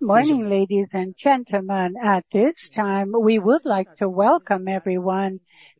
Morning, ladies and gentlemen. At this time, we would like to welcome everyone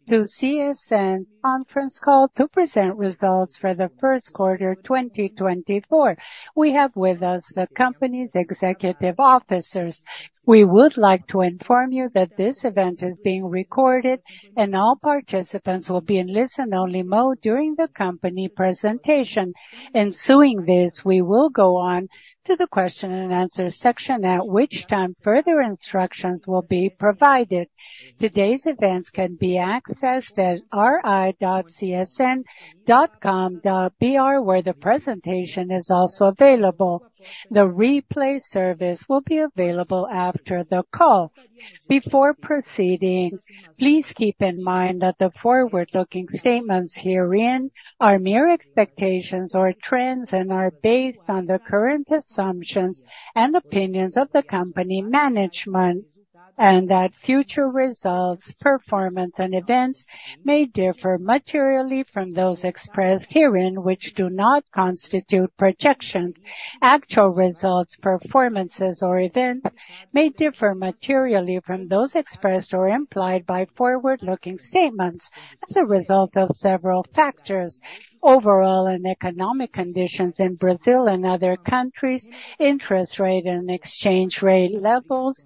to CSN's conference call to present results for the first quarter 2024. We have with us the company's executive officers. We would like to inform you that this event is being recorded, and all participants will be in listen-only mode during the company presentation. Ensuing this, we will go on to the question-and-answer section, at which time further instructions will be provided. Today's events can be accessed at ri.csn.com.br, where the presentation is also available. The replay service will be available after the call. Before proceeding, please keep in mind that the forward-looking statements herein are mere expectations or trends and are based on the current assumptions and opinions of the company management, and that future results, performance, and events may differ materially from those expressed herein, which do not constitute projections. Actual results, performances, or events may differ materially from those expressed or implied by forward-looking statements as a result of several factors: overall and economic conditions in Brazil and other countries, interest rate and exchange rate levels,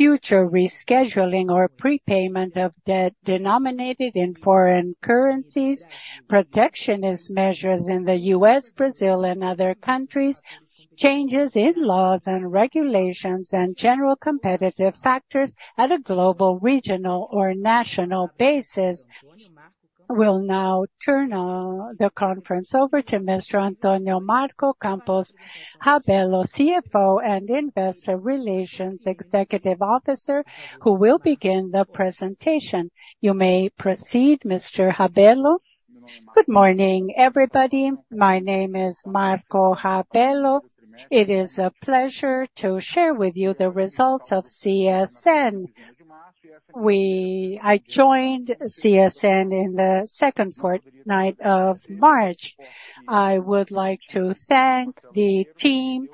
future rescheduling or prepayment of debt denominated in foreign currencies, protectionist measures in the U.S., Brazil, and other countries, changes in laws and regulations, and general competitive factors at a global, regional, or national basis. We'll now turn the conference over to Mr. Antônio Marco Campos Rabello, CFO and Investor Relations Executive Officer, who will begin the presentation. You may proceed, Mr. Rabello. Good morning, everybody. My name is Marco Rabello. It is a pleasure to share with you the results of CSN. I joined CSN on the second half of March. I would like to thank the team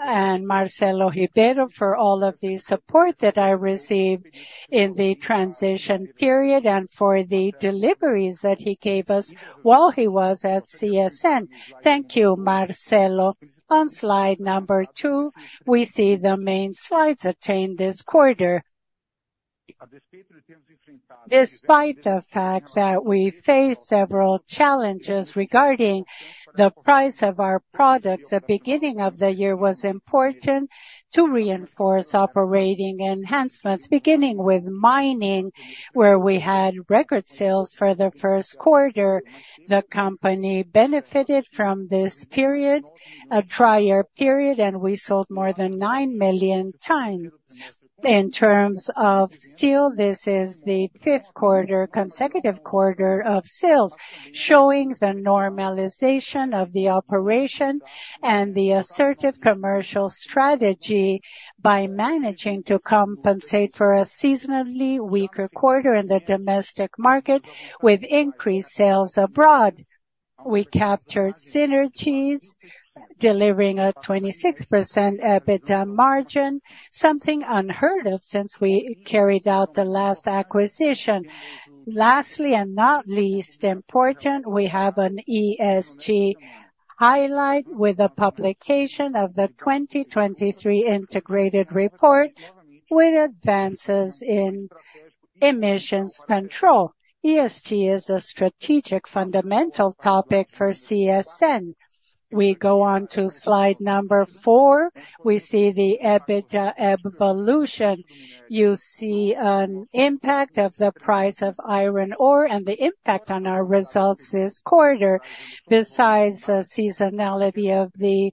and Marcelo Ribeiro for all of the support that I received in the transition period and for the deliveries that he gave us while he was at CSN. Thank you, Marcelo. On slide number 2, we see the main slides attained this quarter. Despite the fact that we face several challenges regarding the price of our products, the beginning of the year was important to reinforce operating enhancements, beginning with mining, where we had record sales for the first quarter. The company benefited from this period, a drier period, and we sold more than 9 million tons. In terms of steel, this is the fifth quarter, consecutive quarter of sales, showing the normalization of the operation and the assertive commercial strategy by managing to compensate for a seasonally weaker quarter in the domestic market with increased sales abroad. We captured synergies, delivering a 26% EBITDA margin, something unheard of since we carried out the last acquisition. Lastly and not least important, we have an ESG highlight with a publication of the 2023 Integrated Report with advances in emissions control. ESG is a strategic fundamental topic for CSN. We go on to slide number 4. We see the EBITDA evolution. You see an impact of the price of iron ore and the impact on our results this quarter. Besides the seasonality of the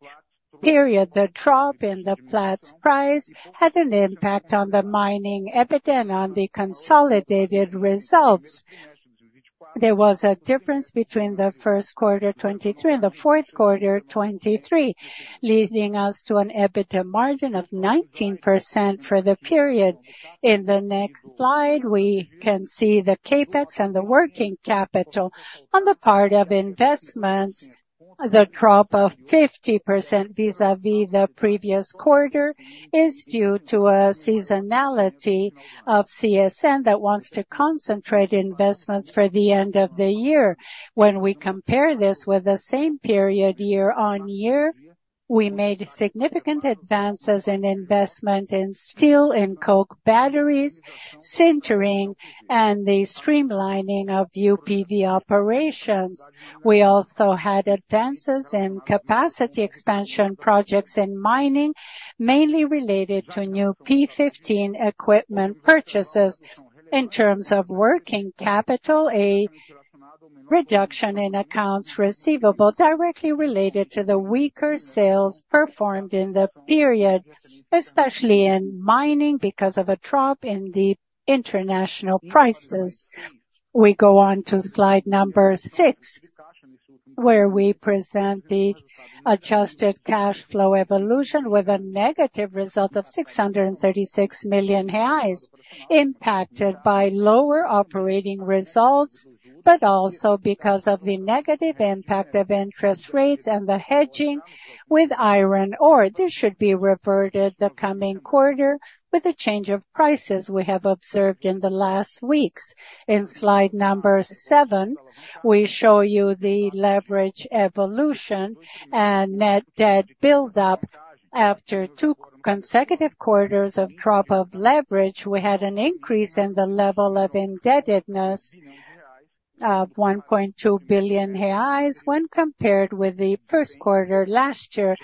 period, the drop in the Platts price had an impact on the mining EBITDA and on the consolidated results. There was a difference between the first quarter 2023 and the fourth quarter 2023, leading us to an EBITDA margin of 19% for the period. In the next slide, we can see the CapEx and the working capital on the part of investments. The drop of 50% vis-à-vis the previous quarter is due to a seasonality of CSN that wants to concentrate investments for the end of the year. When we compare this with the same period year-on-year, we made significant advances in investment in steel and coke batteries, sintering, and the streamlining of UPV operations. We also had advances in capacity expansion projects in mining, mainly related to new P15 equipment purchases. In terms of working capital, a reduction in accounts receivable directly related to the weaker sales performed in the period, especially in mining because of a drop in the international prices. We go on to slide number 6, where we present the adjusted cash flow evolution with a negative result of 636 million reais, impacted by lower operating results but also because of the negative impact of interest rates and the hedging with iron ore. This should be reverted the coming quarter with the change of prices we have observed in the last weeks. In slide number 7, we show you the leverage evolution and net debt buildup. After 2 consecutive quarters of drop of leverage, we had an increase in the level of indebtedness of 1.2 billion reais when compared with the first quarter last year.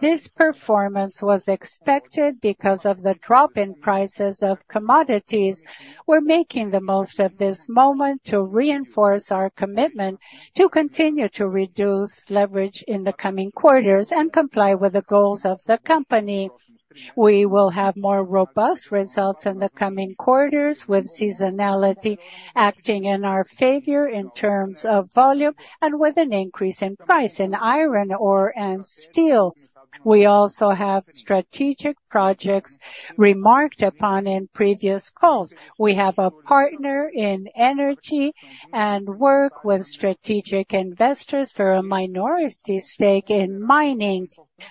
This performance was expected because of the drop in prices of commodities. We're making the most of this moment to reinforce our commitment to continue to reduce leverage in the coming quarters and comply with the goals of the company. We will have more robust results in the coming quarters with seasonality acting in our favor in terms of volume and with an increase in price in iron ore and steel. We also have strategic projects remarked upon in previous calls. We have a partner in energy and work with strategic investors for a minority stake in mining.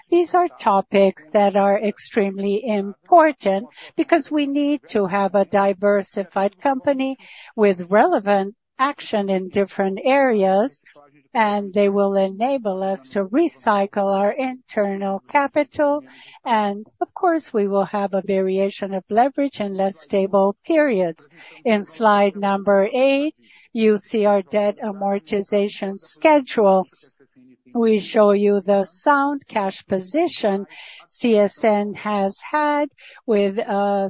These are topics that are extremely important because we need to have a diversified company with relevant action in different areas, and they will enable us to recycle our internal capital. And, of course, we will have a variation of leverage in less stable periods. In slide number 8, you see our debt amortization schedule. We show you the sound cash position CSN has had with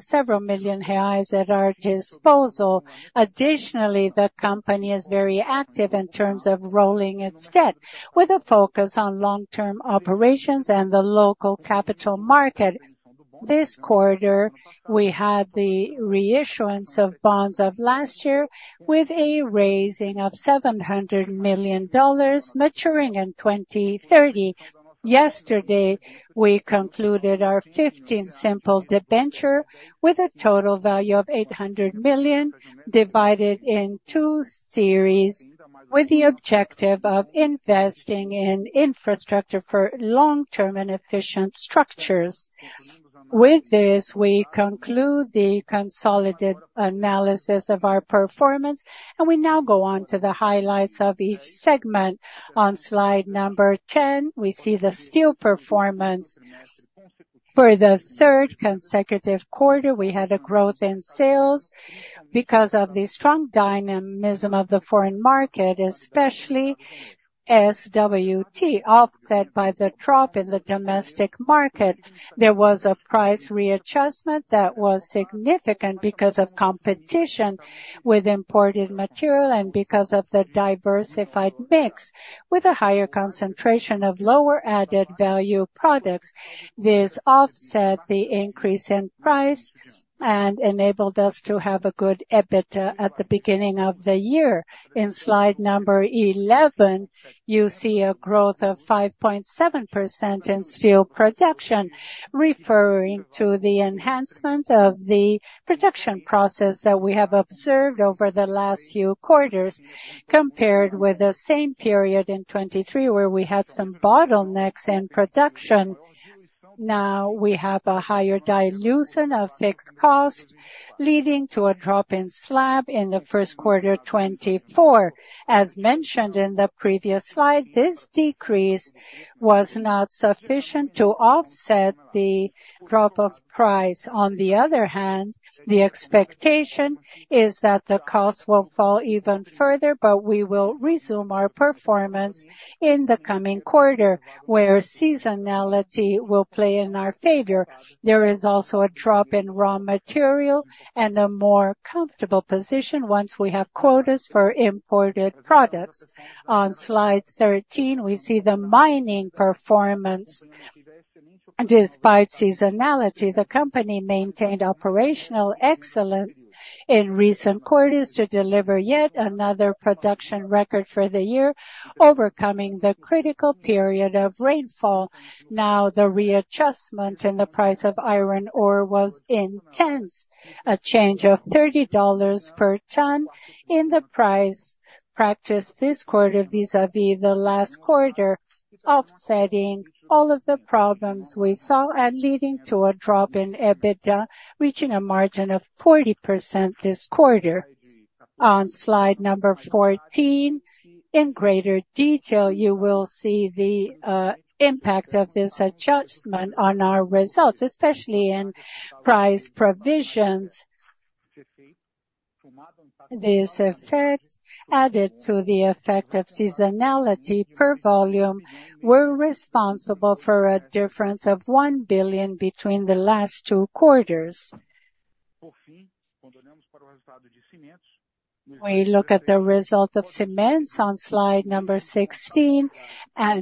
several million BRL at our disposal. Additionally, the company is very active in terms of rolling its debt with a focus on long-term operations and the local capital market. This quarter, we had the reissuance of bonds of last year with a raising of $700 million, maturing in 2030. Yesterday, we concluded our 15th simple debenture with a total value of $800 million divided in two series with the objective of investing in infrastructure for long-term and efficient structures. With this, we conclude the consolidated analysis of our performance, and we now go on to the highlights of each segment. On slide number 10, we see the steel performance. For the third consecutive quarter, we had a growth in sales because of the strong dynamism of the foreign market, especially SWT. Offset by the drop in the domestic market, there was a price readjustment that was significant because of competition with imported material and because of the diversified mix with a higher concentration of lower-added value products. This offset the increase in price and enabled us to have a good EBITDA at the beginning of the year. In slide number 11, you see a growth of 5.7% in steel production, referring to the enhancement of the production process that we have observed over the last few quarters compared with the same period in 2023 where we had some bottlenecks in production. Now, we have a higher dilution of fixed costs, leading to a drop in slab in the first quarter 2024. As mentioned in the previous slide, this decrease was not sufficient to offset the drop of price. On the other hand, the expectation is that the costs will fall even further, but we will resume our performance in the coming quarter where seasonality will play in our favor. There is also a drop in raw material and a more comfortable position once we have quotas for imported products. On slide 13, we see the mining performance. Despite seasonality, the company maintained operational excellence in recent quarters to deliver yet another production record for the year, overcoming the critical period of rainfall. Now, the readjustment in the price of iron ore was intense, a change of $30 per ton in the price practice this quarter vis-à-vis the last quarter, offsetting all of the problems we saw and leading to a drop in EBITDA, reaching a margin of 40% this quarter. On slide number 14, in greater detail, you will see the impact of this adjustment on our results, especially in price provisions. This effect, added to the effect of seasonality per volume, were responsible for a difference of $1 billion between the last two quarters. When we look at the result of cement on slide number 16,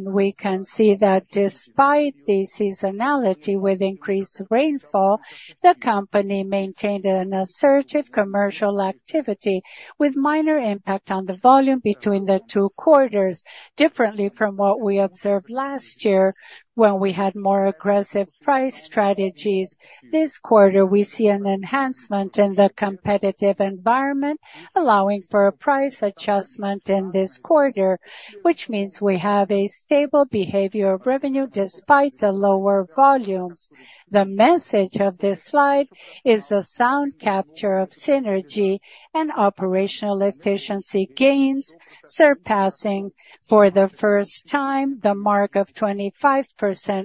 we can see that despite the seasonality with increased rainfall, the company maintained an assertive commercial activity with minor impact on the volume between the two quarters. Differently from what we observed last year when we had more aggressive price strategies, this quarter we see an enhancement in the competitive environment, allowing for a price adjustment in this quarter, which means we have a stable behavior of revenue despite the lower volumes. The message of this slide is a sound capture of synergy and operational efficiency gains, surpassing for the first time the 25%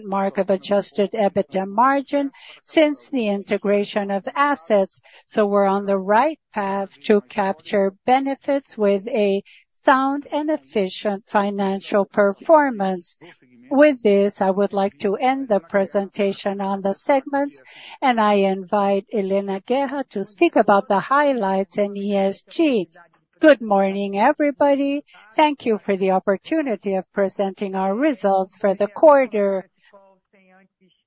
mark of adjusted EBITDA margin since the integration of assets. So we're on the right path to capture benefits with a sound and efficient financial performance. With this, I would like to end the presentation on the segments, and I invite Helena Guerra to speak about the highlights in ESG. Good morning, everybody. Thank you for the opportunity of presenting our results for the quarter.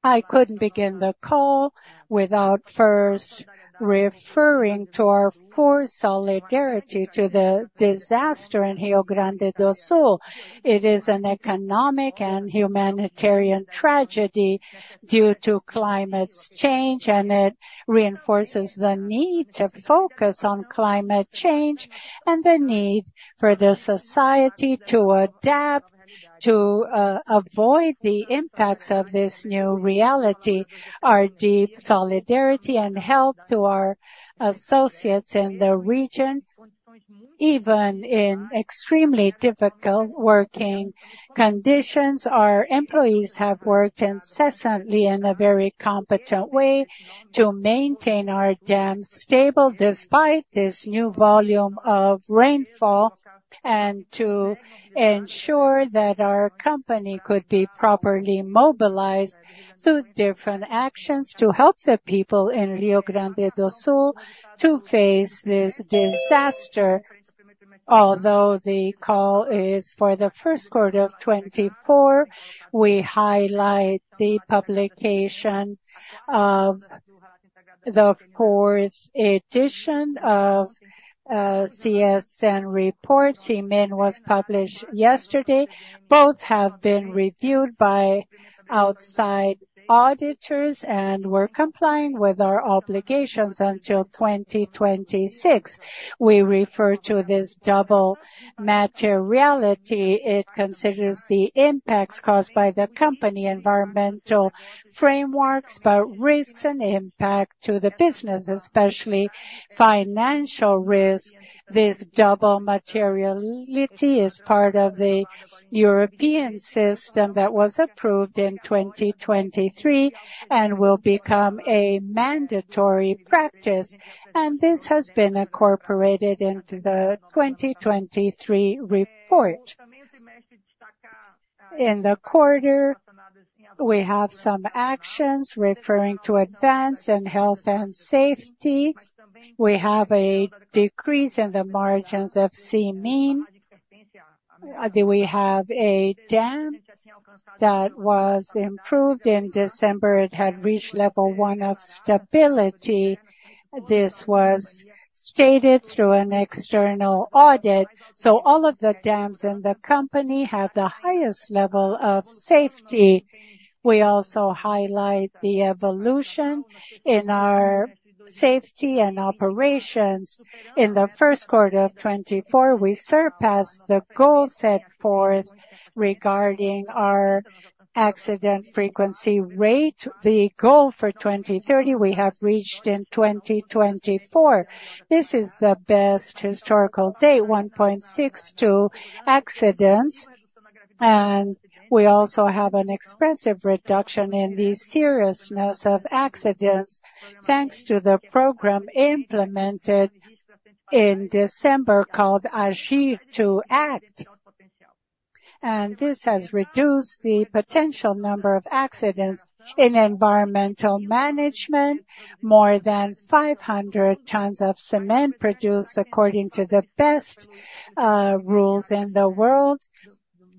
I couldn't begin the call without first referring to our full solidarity to the disaster in Rio Grande do Sul. It is an economic and humanitarian tragedy due to climate change, and it reinforces the need to focus on climate change and the need for the society to adapt to avoid the impacts of this new reality. Our deep solidarity and help to our associates in the region. Even in extremely difficult working conditions, our employees have worked incessantly in a very competent way to maintain our dams stable despite this new volume of rainfall and to ensure that our company could be properly mobilized through different actions to help the people in Rio Grande do Sul to face this disaster. Although the call is for the first quarter of 2024, we highlight the publication of the fourth edition of CSN reports. CMIN was published yesterday. Both have been reviewed by outside auditors and were complying with our obligations until 2026. We refer to this double materiality. It considers the impacts caused by the company, environmental frameworks, but risks and impact to the business, especially financial risk. This double materiality is part of the European system that was approved in 2023 and will become a mandatory practice. This has been incorporated into the 2023 report. In the quarter, we have some actions referring to advance in health and safety. We have a decrease in the margins of CMIN. We have a dam that was improved in December. It had reached level one of stability. This was stated through an external audit. So all of the dams in the company have the highest level of safety. We also highlight the evolution in our safety and operations. In the first quarter of 2024, we surpassed the goal set forth regarding our accident frequency rate. The goal for 2030 we have reached in 2024. This is the best historical date, 1.62 accidents. And we also have an expressive reduction in the seriousness of accidents thanks to the program implemented in December called Agir to Act. And this has reduced the potential number of accidents in environmental management. More than 500 tons of cement produced according to the best rules in the world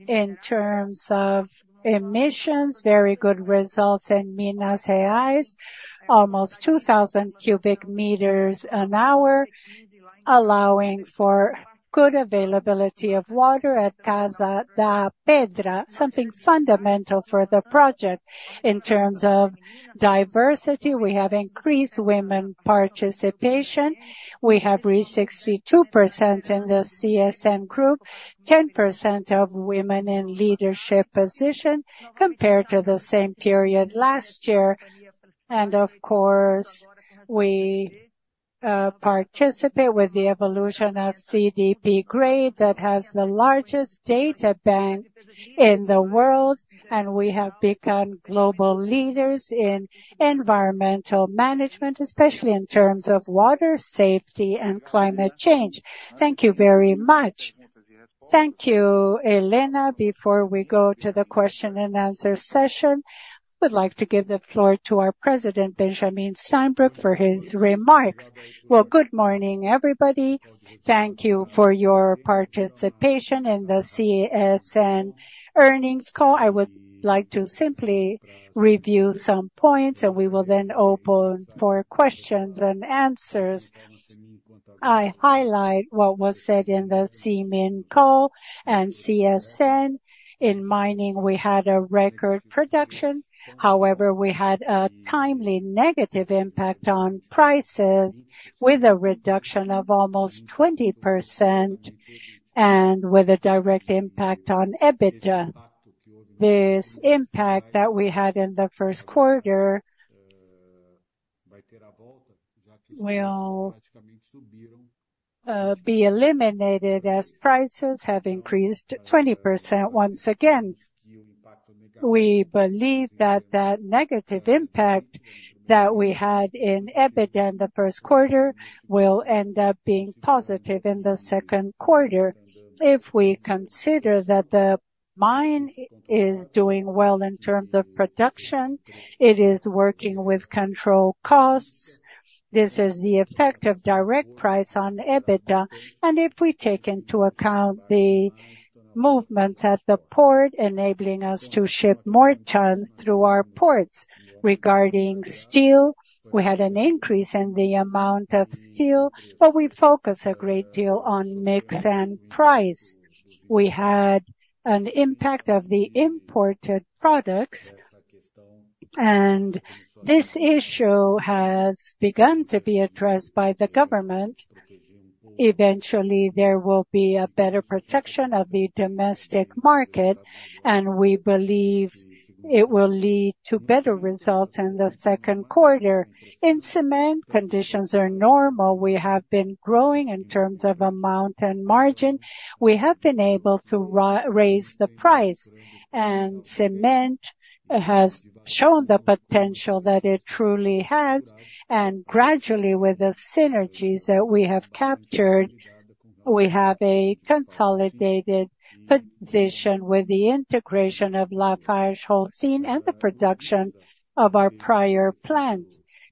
in terms of emissions. Very good results in Minas Gerais, almost 2,000 cubic meters an hour, allowing for good availability of water at Casa de Pedra, something fundamental for the project. In terms of diversity, we have increased women participation. We have reached 62% in the CSN group, 10% of women in leadership positions compared to the same period last year. And, of course, we participate with the evolution of CDP Grade that has the largest data bank in the world, and we have become global leaders in environmental management, especially in terms of water safety and climate change. Thank you very much. Thank you, Helena. Before we go to the question and answer session, I would like to give the floor to our president, Benjamin Steinbruch, for his remarks. Well, good morning, everybody. Thank you for your participation in the CSN earnings call. I would like to simply review some points, and we will then open for questions and answers. I highlight what was said in the CMIN call and CSN. In mining, we had a record production. However, we had a timely negative impact on prices with a reduction of almost 20% and with a direct impact on EBITDA. This impact that we had in the first quarter will be eliminated as prices have increased 20% once again. We believe that that negative impact that we had in EBITDA in the first quarter will end up being positive in the second quarter if we consider that the mine is doing well in terms of production. It is working with controlled costs. This is the effect of direct price on EBITDA. If we take into account the movements at the port enabling us to ship more tons through our ports regarding steel, we had an increase in the amount of steel, but we focus a great deal on mix and price. We had an impact of the imported products, and this issue has begun to be addressed by the government. Eventually, there will be a better protection of the domestic market, and we believe it will lead to better results in the second quarter. In cement, conditions are normal. We have been growing in terms of amount and margin. We have been able to raise the price, and cement has shown the potential that it truly has. And gradually, with the synergies that we have captured, we have a consolidated position with the integration of LafargeHolcim and the production of our prior plant.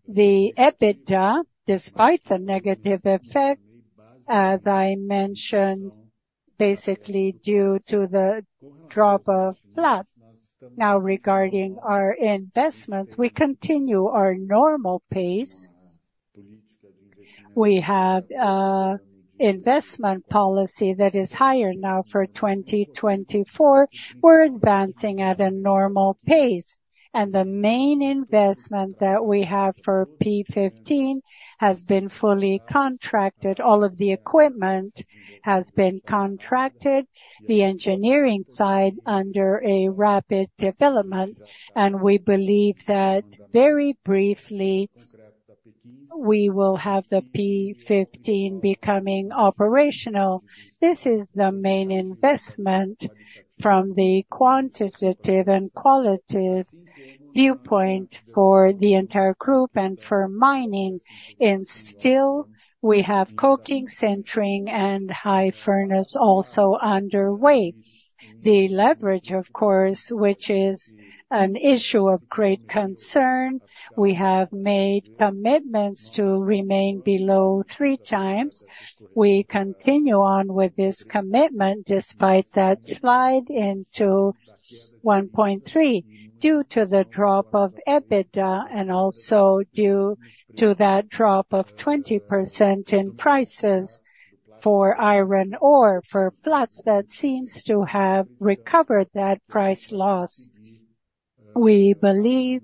The EBITDA, despite the negative effect, as I mentioned, basically due to the drop of slab. Now, regarding our investments, we continue our normal pace. We have an investment policy that is higher now for 2024. We're advancing at a normal pace. And the main investment that we have for P15 has been fully contracted. All of the equipment has been contracted, the engineering side under a rapid development. And we believe that very briefly, we will have the P15 becoming operational. This is the main investment from the quantitative and qualitative viewpoint for the entire group and for mining. In steel, we have coking, sintering, and blast furnace also underway. The leverage, of course, which is an issue of great concern. We have made commitments to remain below 3x. We continue on with this commitment despite that slide into 1.3 due to the drop of EBITDA and also due to that drop of 20% in prices for iron ore for flats that seems to have recovered that price loss. We believe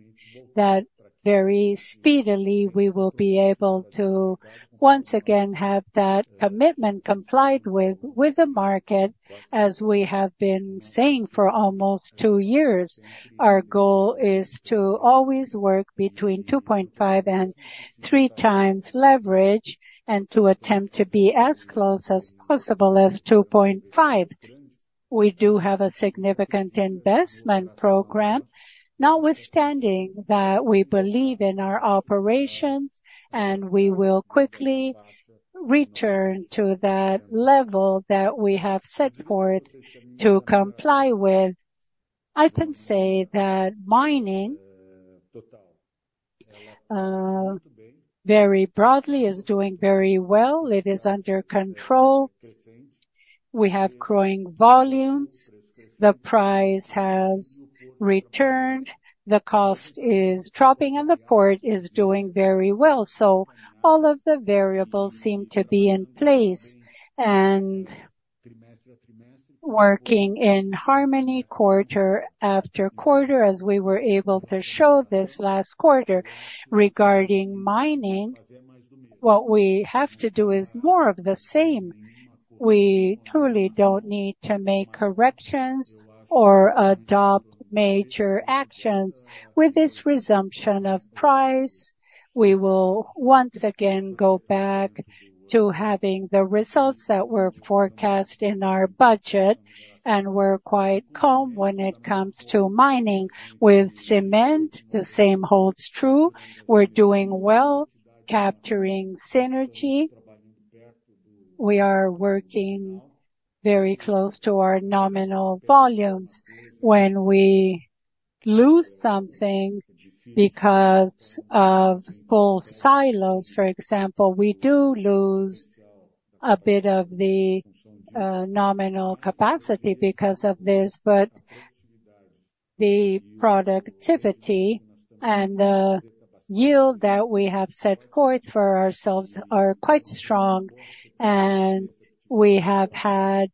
that very speedily we will be able to once again have that commitment complied with with the market, as we have been saying for almost two years. Our goal is to always work between 2.5 and 3 times leverage and to attempt to be as close as possible as 2.5. We do have a significant investment program notwithstanding that we believe in our operations, and we will quickly return to that level that we have set forth to comply with. I can say that mining, very broadly, is doing very well. It is under control. We have growing volumes. The price has returned. The cost is dropping, and the port is doing very well. So all of the variables seem to be in place and working in harmony quarter after quarter, as we were able to show this last quarter. Regarding mining, what we have to do is more of the same. We truly don't need to make corrections or adopt major actions. With this resumption of price, we will once again go back to having the results that were forecast in our budget, and we're quite calm when it comes to mining. With cement, the same holds true. We're doing well, capturing synergy. We are working very close to our nominal volumes. When we lose something because of full silos, for example, we do lose a bit of the nominal capacity because of this, but the productivity and the yield that we have set forth for ourselves are quite strong, and we have had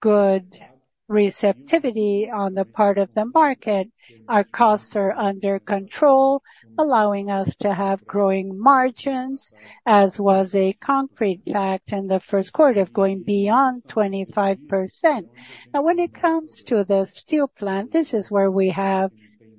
good receptivity on the part of the market. Our costs are under control, allowing us to have growing margins, as was a concrete fact in the first quarter of going beyond 25%. Now, when it comes to the steel plant, this is where we have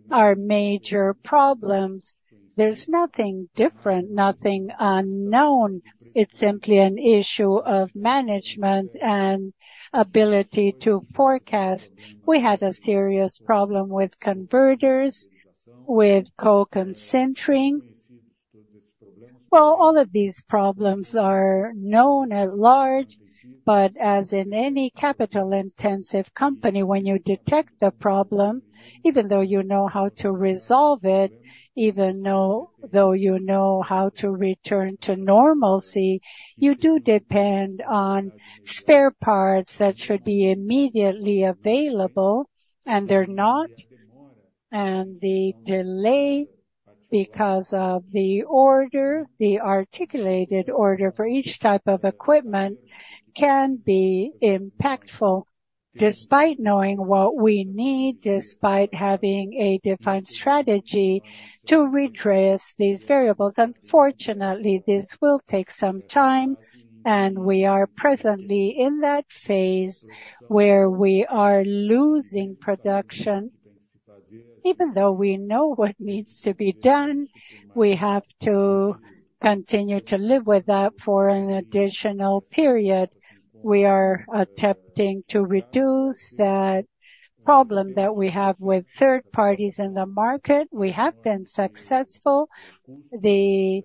our major problems. There's nothing different, nothing unknown. It's simply an issue of management and ability to forecast. We had a serious problem with converters, with coking and centering. Well, all of these problems are known at large, but as in any capital-intensive company, when you detect the problem, even though you know how to resolve it, even though you know how to return to normalcy, you do depend on spare parts that should be immediately available, and they're not. The delay because of the order, the articulated order for each type of equipment, can be impactful despite knowing what we need, despite having a defined strategy to redress these variables. Unfortunately, this will take some time, and we are presently in that phase where we are losing production. Even though we know what needs to be done, we have to continue to live with that for an additional period. We are attempting to reduce that problem that we have with third parties in the market. We have been successful. The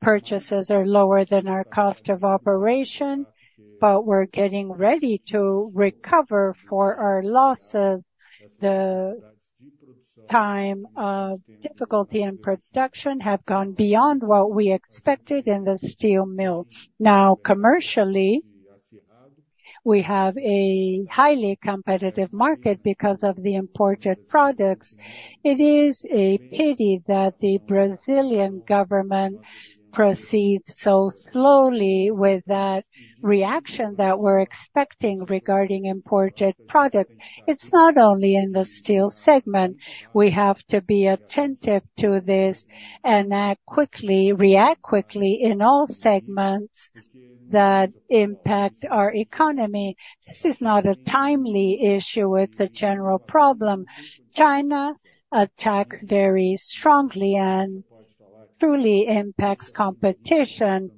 purchases are lower than our cost of operation, but we're getting ready to recover for our losses. The time of difficulty in production has gone beyond what we expected in the steel mill. Now, commercially, we have a highly competitive market because of the imported products. It is a pity that the Brazilian government proceeds so slowly with that reaction that we're expecting regarding imported products. It's not only in the steel segment. We have to be attentive to this and react quickly in all segments that impact our economy. This is not a timely issue. It's a general problem. China attacks very strongly and truly impacts competition.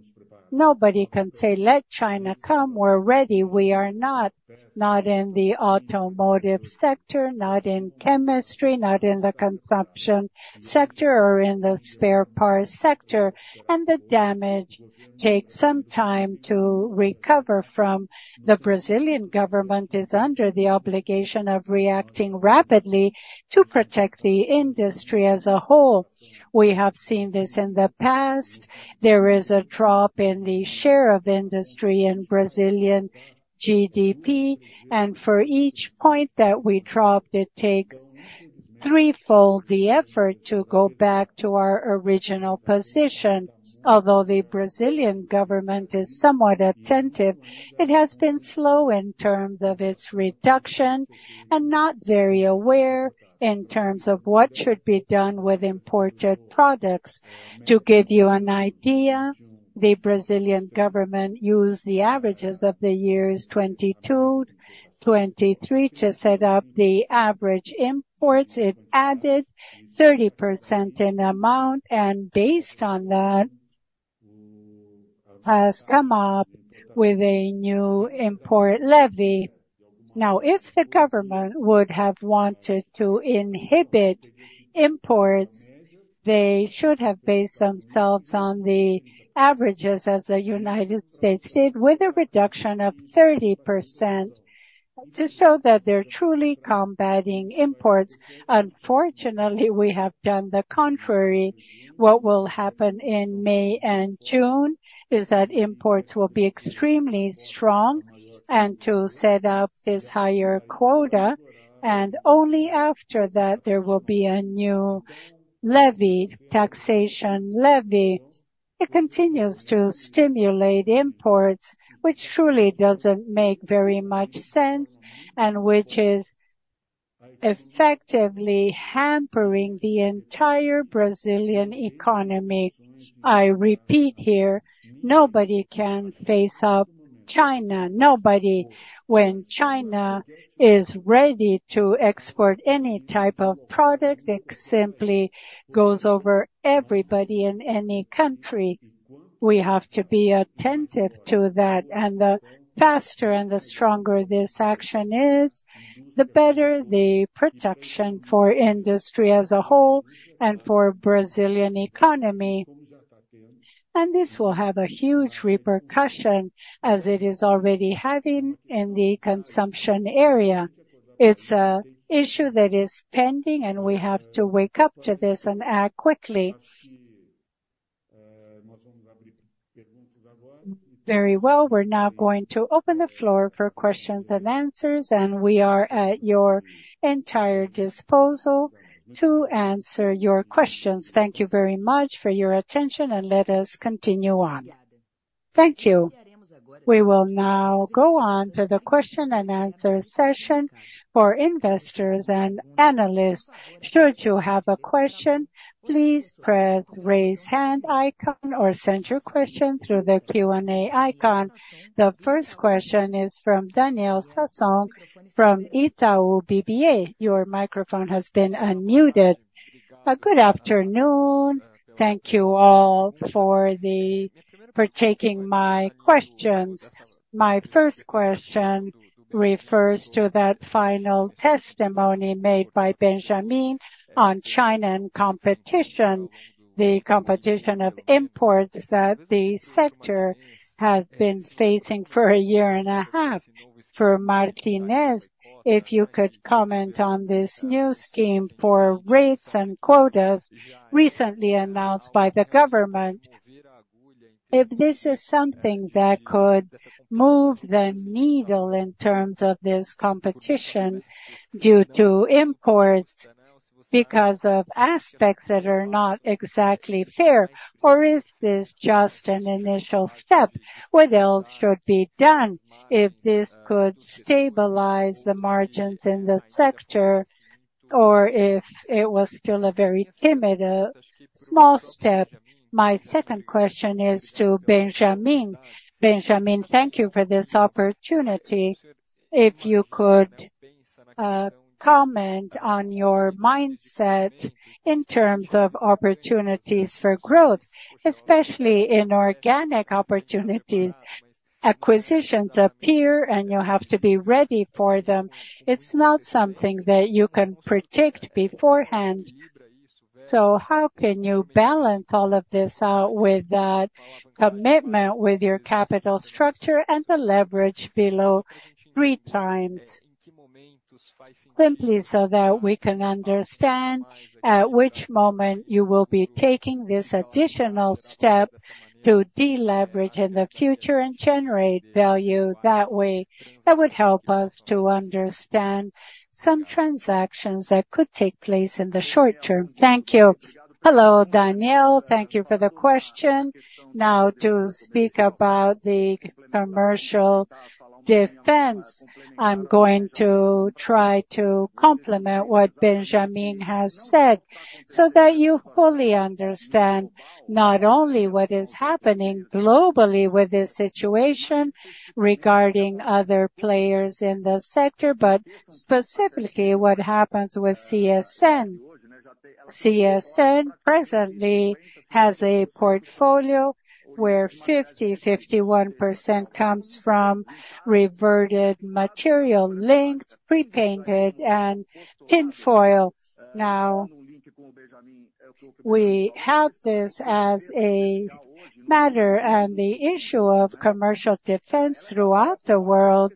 Nobody can say, "Let China come. We're ready." We are not. Not in the automotive sector, not in chemistry, not in the consumption sector, or in the spare parts sector. And the damage takes some time to recover from. The Brazilian government is under the obligation of reacting rapidly to protect the industry as a whole. We have seen this in the past. There is a drop in the share of industry in Brazilian GDP, and for each point that we dropped, it takes threefold the effort to go back to our original position. Although the Brazilian government is somewhat attentive, it has been slow in terms of its reduction and not very aware in terms of what should be done with imported products. To give you an idea, the Brazilian government used the averages of the years 2022-2023 to set up the average imports. It added 30% in amount, and based on that, has come up with a new import levy. Now, if the government would have wanted to inhibit imports, they should have based themselves on the averages as the United States did with a reduction of 30% to show that they're truly combating imports. Unfortunately, we have done the contrary. What will happen in May and June is that imports will be extremely strong and to set up this higher quota, and only after that there will be a new levy, taxation levy. It continues to stimulate imports, which truly doesn't make very much sense and which is effectively hampering the entire Brazilian economy. I repeat here, nobody can face up China. Nobody. When China is ready to export any type of product, it simply goes over everybody in any country. We have to be attentive to that. And the faster and the stronger this action is, the better the protection for industry as a whole and for Brazilian economy. And this will have a huge repercussion, as it is already having, in the consumption area. It's an issue that is pending, and we have to wake up to this and act quickly. Very well. We're now going to open the floor for questions and answers, and we are at your entire disposal to answer your questions. Thank you very much for your attention, and let us continue on. Thank you. We will now go on to the question and answer session for investors and analysts. Should you have a question, please press the raise hand icon or send your question through the Q&A icon. The first question is from Daniel Sasson from Itaú BBA. Your microphone has been unmuted. A good afternoon. Thank you all for taking my questions. My first question refers to that final testimony made by Benjamin on China and competition, the competition of imports that the sector has been facing for a year and a half. For Martinez, if you could comment on this new scheme for rates and quotas recently announced by the government, if this is something that could move the needle in terms of this competition due to imports because of aspects that are not exactly fair, or is this just an initial step? What else should be done if this could stabilize the margins in the sector, or if it was still a very timid, a small step? My second question is to Benjamin. Benjamin, thank you for this opportunity. If you could comment on your mindset in terms of opportunities for growth, especially in organic opportunities. Acquisitions appear, and you have to be ready for them. It's not something that you can predict beforehand. So how can you balance all of this out with that commitment with your capital structure and the leverage below 3 times, simply so that we can understand at which moment you will be taking this additional step to de-leverage in the future and generate value? That way, that would help us to understand some transactions that could take place in the short term. Thank you. Hello, Danielle. Thank you for the question. Now, to speak about the commercial defense, I'm going to try to complement what Benjamin has said so that you fully understand not only what is happening globally with this situation regarding other players in the sector, but specifically what happens with CSN. CSN presently has a portfolio where 50-51% comes from reverted material-linked pre-painted and tinplate. Now, we have this as a matter, and the issue of commercial defense throughout the world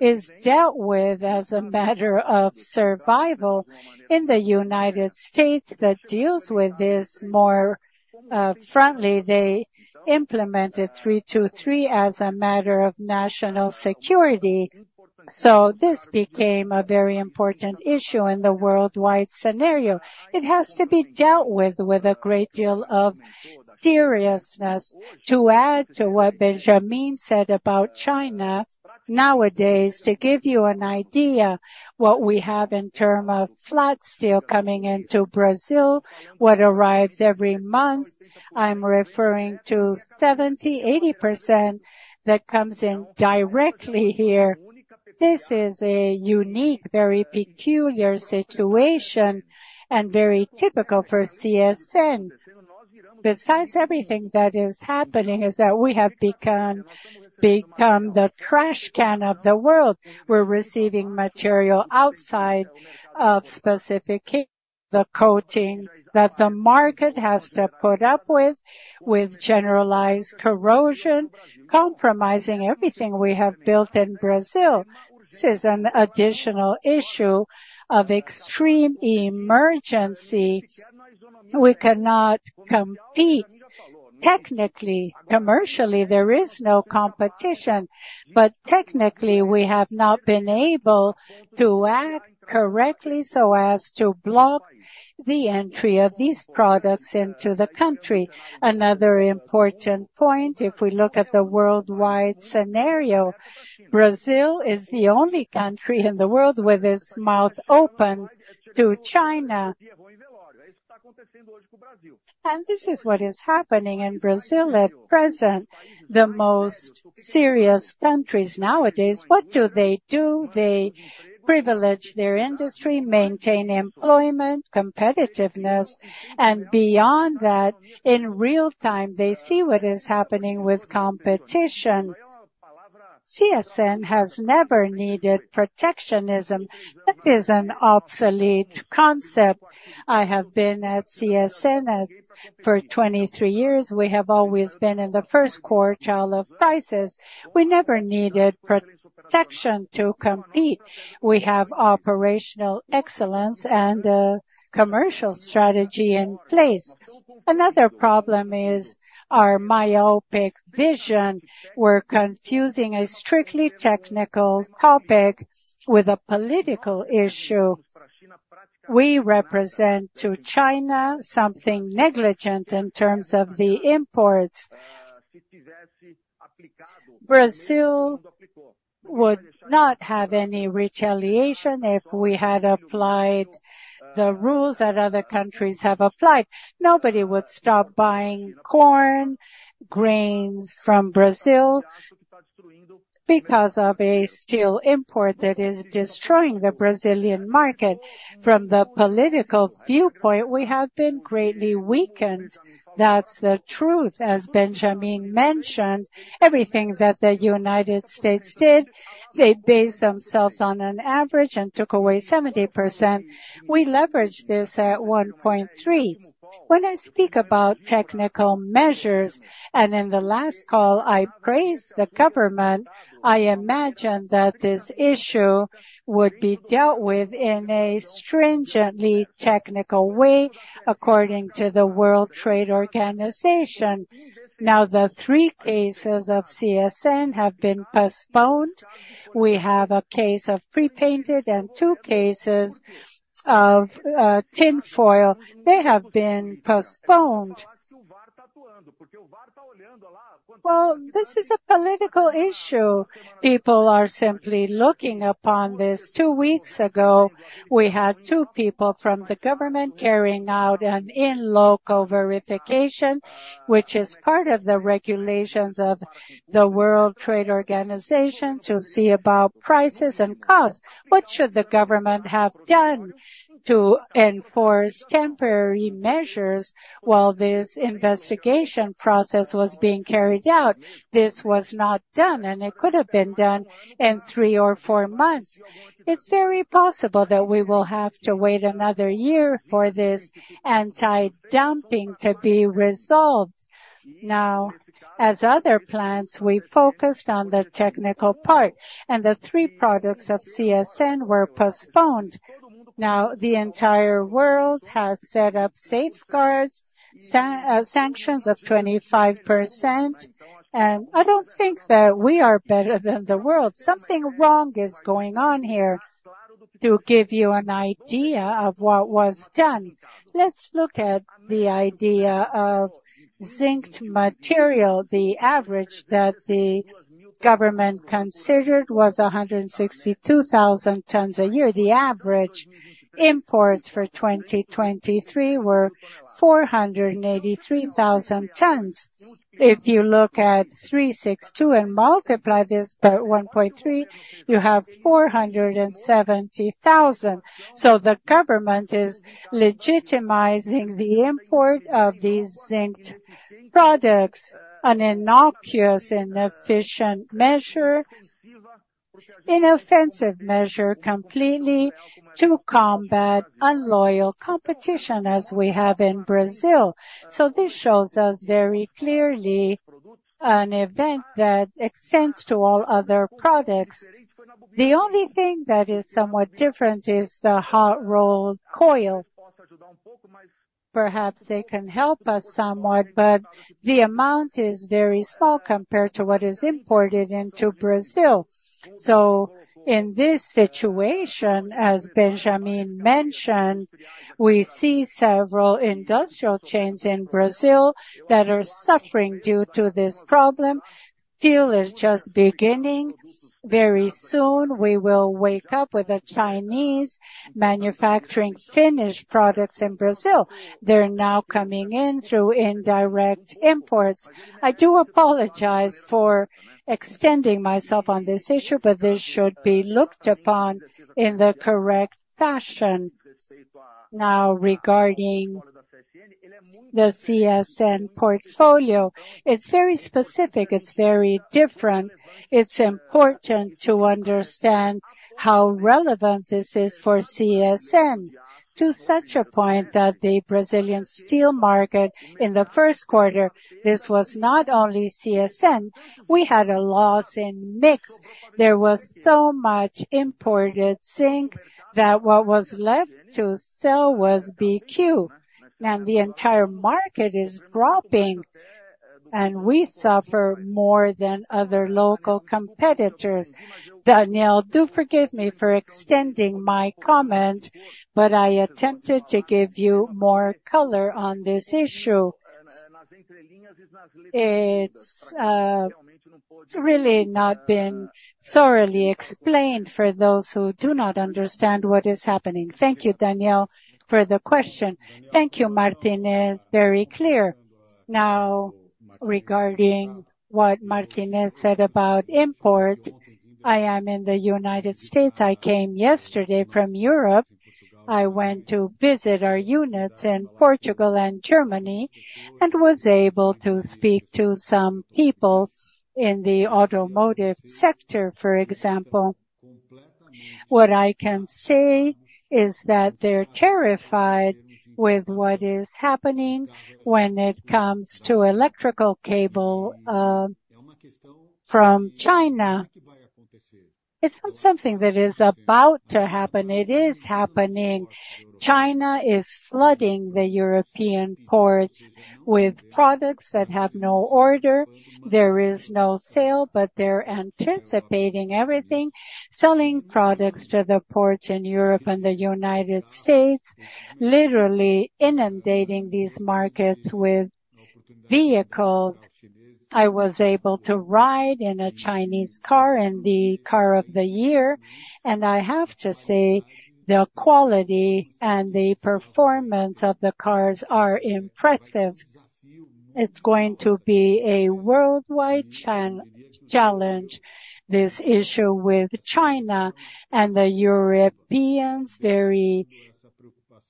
is dealt with as a matter of survival. In the United States, that deals with this more frontally, they implemented Section 232 as a matter of national security. So this became a very important issue in the worldwide scenario. It has to be dealt with with a great deal of seriousness. To add to what Benjamin said about China nowadays, to give you an idea of what we have in terms of flat steel coming into Brazil, what arrives every month, I'm referring to 70%-80% that comes in directly here. This is a unique, very peculiar situation and very typical for CSN. Besides everything that is happening, is that we have become the trash can of the world. We're receiving material outside of specifications, the coating that the market has to put up with, with generalized corrosion compromising everything we have built in Brazil. This is an additional issue of extreme emergency. We cannot compete technically. Commercially, there is no competition, but technically, we have not been able to act correctly so as to block the entry of these products into the country. Another important point, if we look at the worldwide scenario, Brazil is the only country in the world with its mouth open to China. And this is what is happening in Brazil at present. The most serious countries nowadays, what do they do? They privilege their industry, maintain employment, competitiveness, and beyond that, in real time, they see what is happening with competition. CSN has never needed protectionism. That is an obsolete concept. I have been at CSN for 23 years. We have always been in the first quartile of crisis. We never needed protection to compete. We have operational excellence and a commercial strategy in place. Another problem is our myopic vision. We're confusing a strictly technical topic with a political issue. We represent to China something negligent in terms of the imports. Brazil would not have any retaliation if we had applied the rules that other countries have applied. Nobody would stop buying corn grains from Brazil because of a steel import that is destroying the Brazilian market. From the political viewpoint, we have been greatly weakened. That's the truth. As Benjamin mentioned, everything that the United States did, they based themselves on an average and took away 70%. We leveraged this at 1.3%. When I speak about technical measures, and in the last call, I praised the government, I imagine that this issue would be dealt with in a stringently technical way according to the World Trade Organization. Now, the three cases of CSN have been postponed. We have a case of pre-painted and two cases of tinplate. They have been postponed. Well, this is a political issue. People are simply looking upon this. Two weeks ago, we had two people from the government carrying out an in-local verification, which is part of the regulations of the World Trade Organization, to see about prices and costs. What should the government have done to enforce temporary measures while this investigation process was being carried out? This was not done, and it could have been done in three or four months. It's very possible that we will have to wait another year for this anti-dumping to be resolved. Now, as other plants, we focused on the technical part, and the three products of CSN were postponed. Now, the entire world has set up safeguards, sanctions of 25%, and I don't think that we are better than the world. Something wrong is going on here. To give you an idea of what was done, let's look at the idea of zinced material. The average that the government considered was 162,000 tons a year. The average imports for 2023 were 483,000 tons. If you look at 362 and multiply this by 1.3, you have 470,000. So the government is legitimizing the import of these zinced products, an innocuous, inefficient measure, inoffensive measure completely to combat unfair competition, as we have in Brazil. So this shows us very clearly an event that extends to all other products. The only thing that is somewhat different is the hot-rolled coil. Perhaps they can help us somewhat, but the amount is very small compared to what is imported into Brazil. So in this situation, as Benjamin mentioned, we see several industrial chains in Brazil that are suffering due to this problem. Steel is just beginning. Very soon, we will wake up with a Chinese manufacturing finished products in Brazil. They're now coming in through indirect imports. I do apologize for extending myself on this issue, but this should be looked upon in the correct fashion. Now, regarding the CSN portfolio, it's very specific. It's very different. It's important to understand how relevant this is for CSN to such a point that the Brazilian steel market in the first quarter, this was not only CSN, we had a loss in mix. There was so much imported zinc that what was left to sell was BQ. And the entire market is dropping, and we suffer more than other local competitors. Danielle, do forgive me for extending my comment, but I attempted to give you more color on this issue. It's really not been thoroughly explained for those who do not understand what is happening. Thank you, Danielle, for the question. Thank you, Martinez. Very clear. Now, regarding what Martinez said about import, I am in the United States. I came yesterday from Europe. I went to visit our units in Portugal and Germany and was able to speak to some people in the automotive sector, for example. What I can say is that they're terrified with what is happening when it comes to electrical cable from China. It's not something that is about to happen. It is happening. China is flooding the European ports with products that have no order. There is no sale, but they're anticipating everything, selling products to the ports in Europe and the United States, literally inundating these markets with vehicles. I was able to ride in a Chinese car in the car of the year, and I have to say the quality and the performance of the cars are impressive. It's going to be a worldwide challenge, this issue with China, and the Europeans very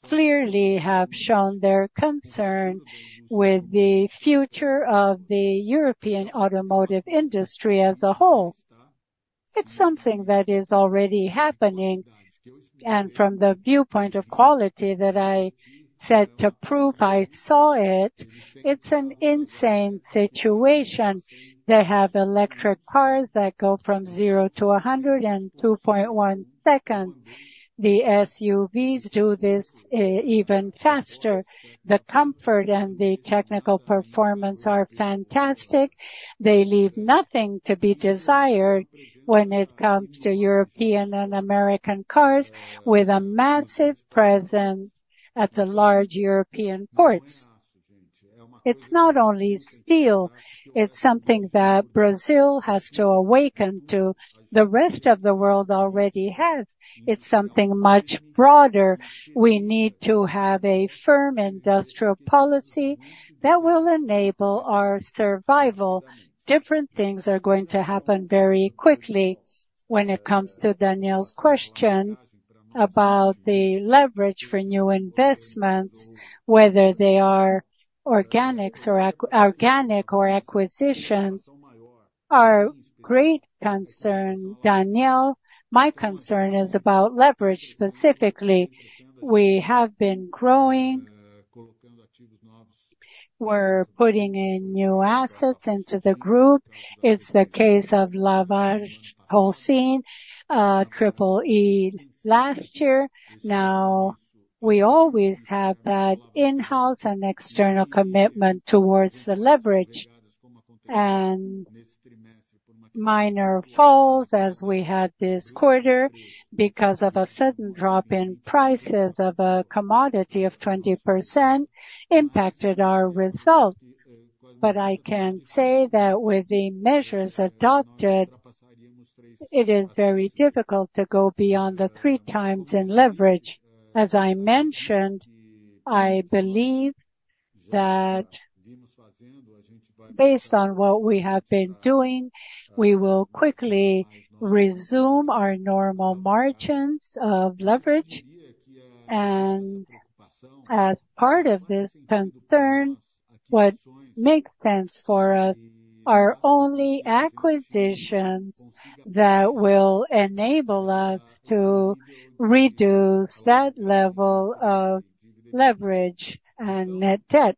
clearly have shown their concern with the future of the European automotive industry as a whole. It's something that is already happening, and from the viewpoint of quality that I said to prove, I saw it. It's an insane situation. They have electric cars that go from 0 to 100 in 2.1 seconds. The SUVs do this even faster. The comfort and the technical performance are fantastic. They leave nothing to be desired when it comes to European and American cars with a massive presence at the large European ports. It's not only steel. It's something that Brazil has to awaken to. The rest of the world already has. It's something much broader. We need to have a firm industrial policy that will enable our survival. Different things are going to happen very quickly when it comes to Danielle's question about the leverage for new investments, whether they are organics or acquisitions. Our great concern, Danielle, my concern is about leverage specifically. We have been growing. We're putting in new assets into the group. It's the case of LafargeHolcim, etc., last year. Now, we always have that in-house and external commitment towards the leverage and minor falls as we had this quarter because of a sudden drop in prices of a commodity of 20% impacted our result. But I can say that with the measures adopted, it is very difficult to go beyond the 3x in leverage. As I mentioned, I believe that based on what we have been doing, we will quickly resume our normal margins of leverage. As part of this concern, what makes sense for us are only acquisitions that will enable us to reduce that level of leverage and net debt.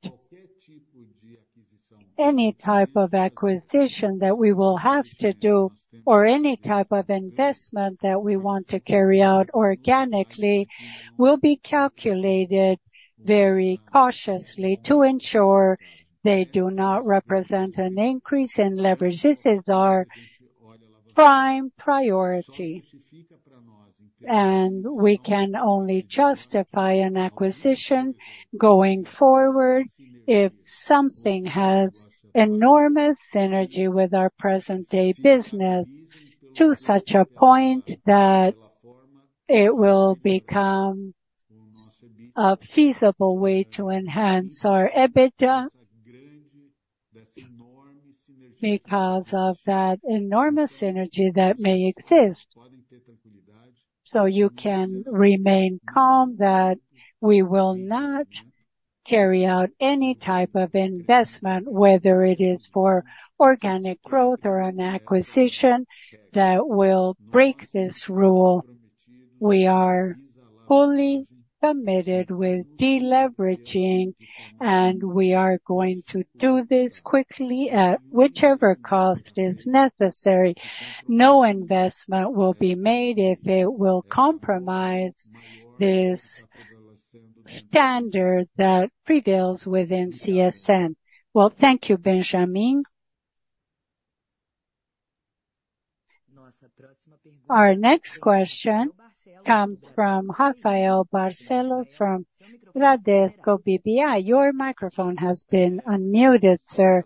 Any type of acquisition that we will have to do or any type of investment that we want to carry out organically will be calculated very cautiously to ensure they do not represent an increase in leverage. This is our prime priority, and we can only justify an acquisition going forward if something has enormous synergy with our present-day business to such a point that it will become a feasible way to enhance our EBITDA because of that enormous synergy that may exist. So you can remain calm that we will not carry out any type of investment, whether it is for organic growth or an acquisition that will break this rule. We are fully committed with deleveraging, and we are going to do this quickly at whichever cost is necessary. No investment will be made if it will compromise this standard that prevails within CSN. Well, thank you, Benjamin. Our next question comes from Rafael Barcellos from Bradesco BBI. Your microphone has been unmuted, sir.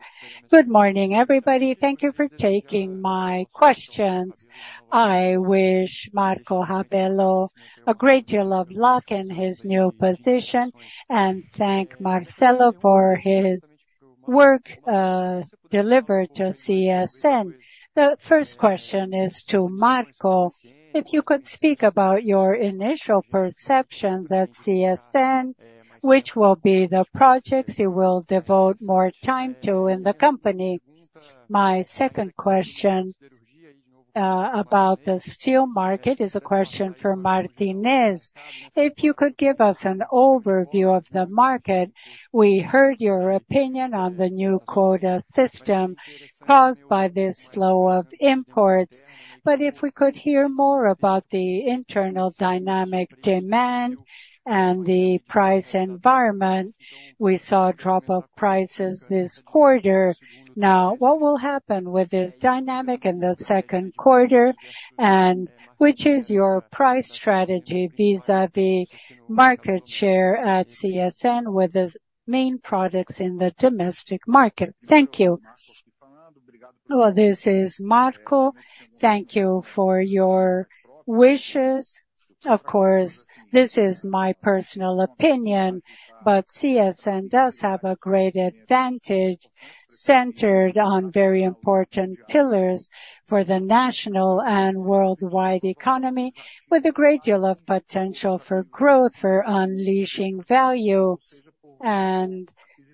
Good morning, everybody. Thank you for taking my questions. I wish Marco Rabello a great deal of luck in his new position and thank Marcelo for his work delivered to CSN. The first question is to Marco. If you could speak about your initial perceptions at CSN, which will be the projects you will devote more time to in the company. My second question about the steel market is a question for Martinez. If you could give us an overview of the market, we heard your opinion on the new quota system caused by this flow of imports. But if we could hear more about the internal dynamic demand and the price environment, we saw a drop of prices this quarter. Now, what will happen with this dynamic in the second quarter, and which is your price strategy vis-à-vis market share at CSN with the main products in the domestic market? Thank you. Well, this is Marco. Thank you for your wishes. Of course, this is my personal opinion, but CSN does have a great advantage centered on very important pillars for the national and worldwide economy with a great deal of potential for growth, for unleashing value.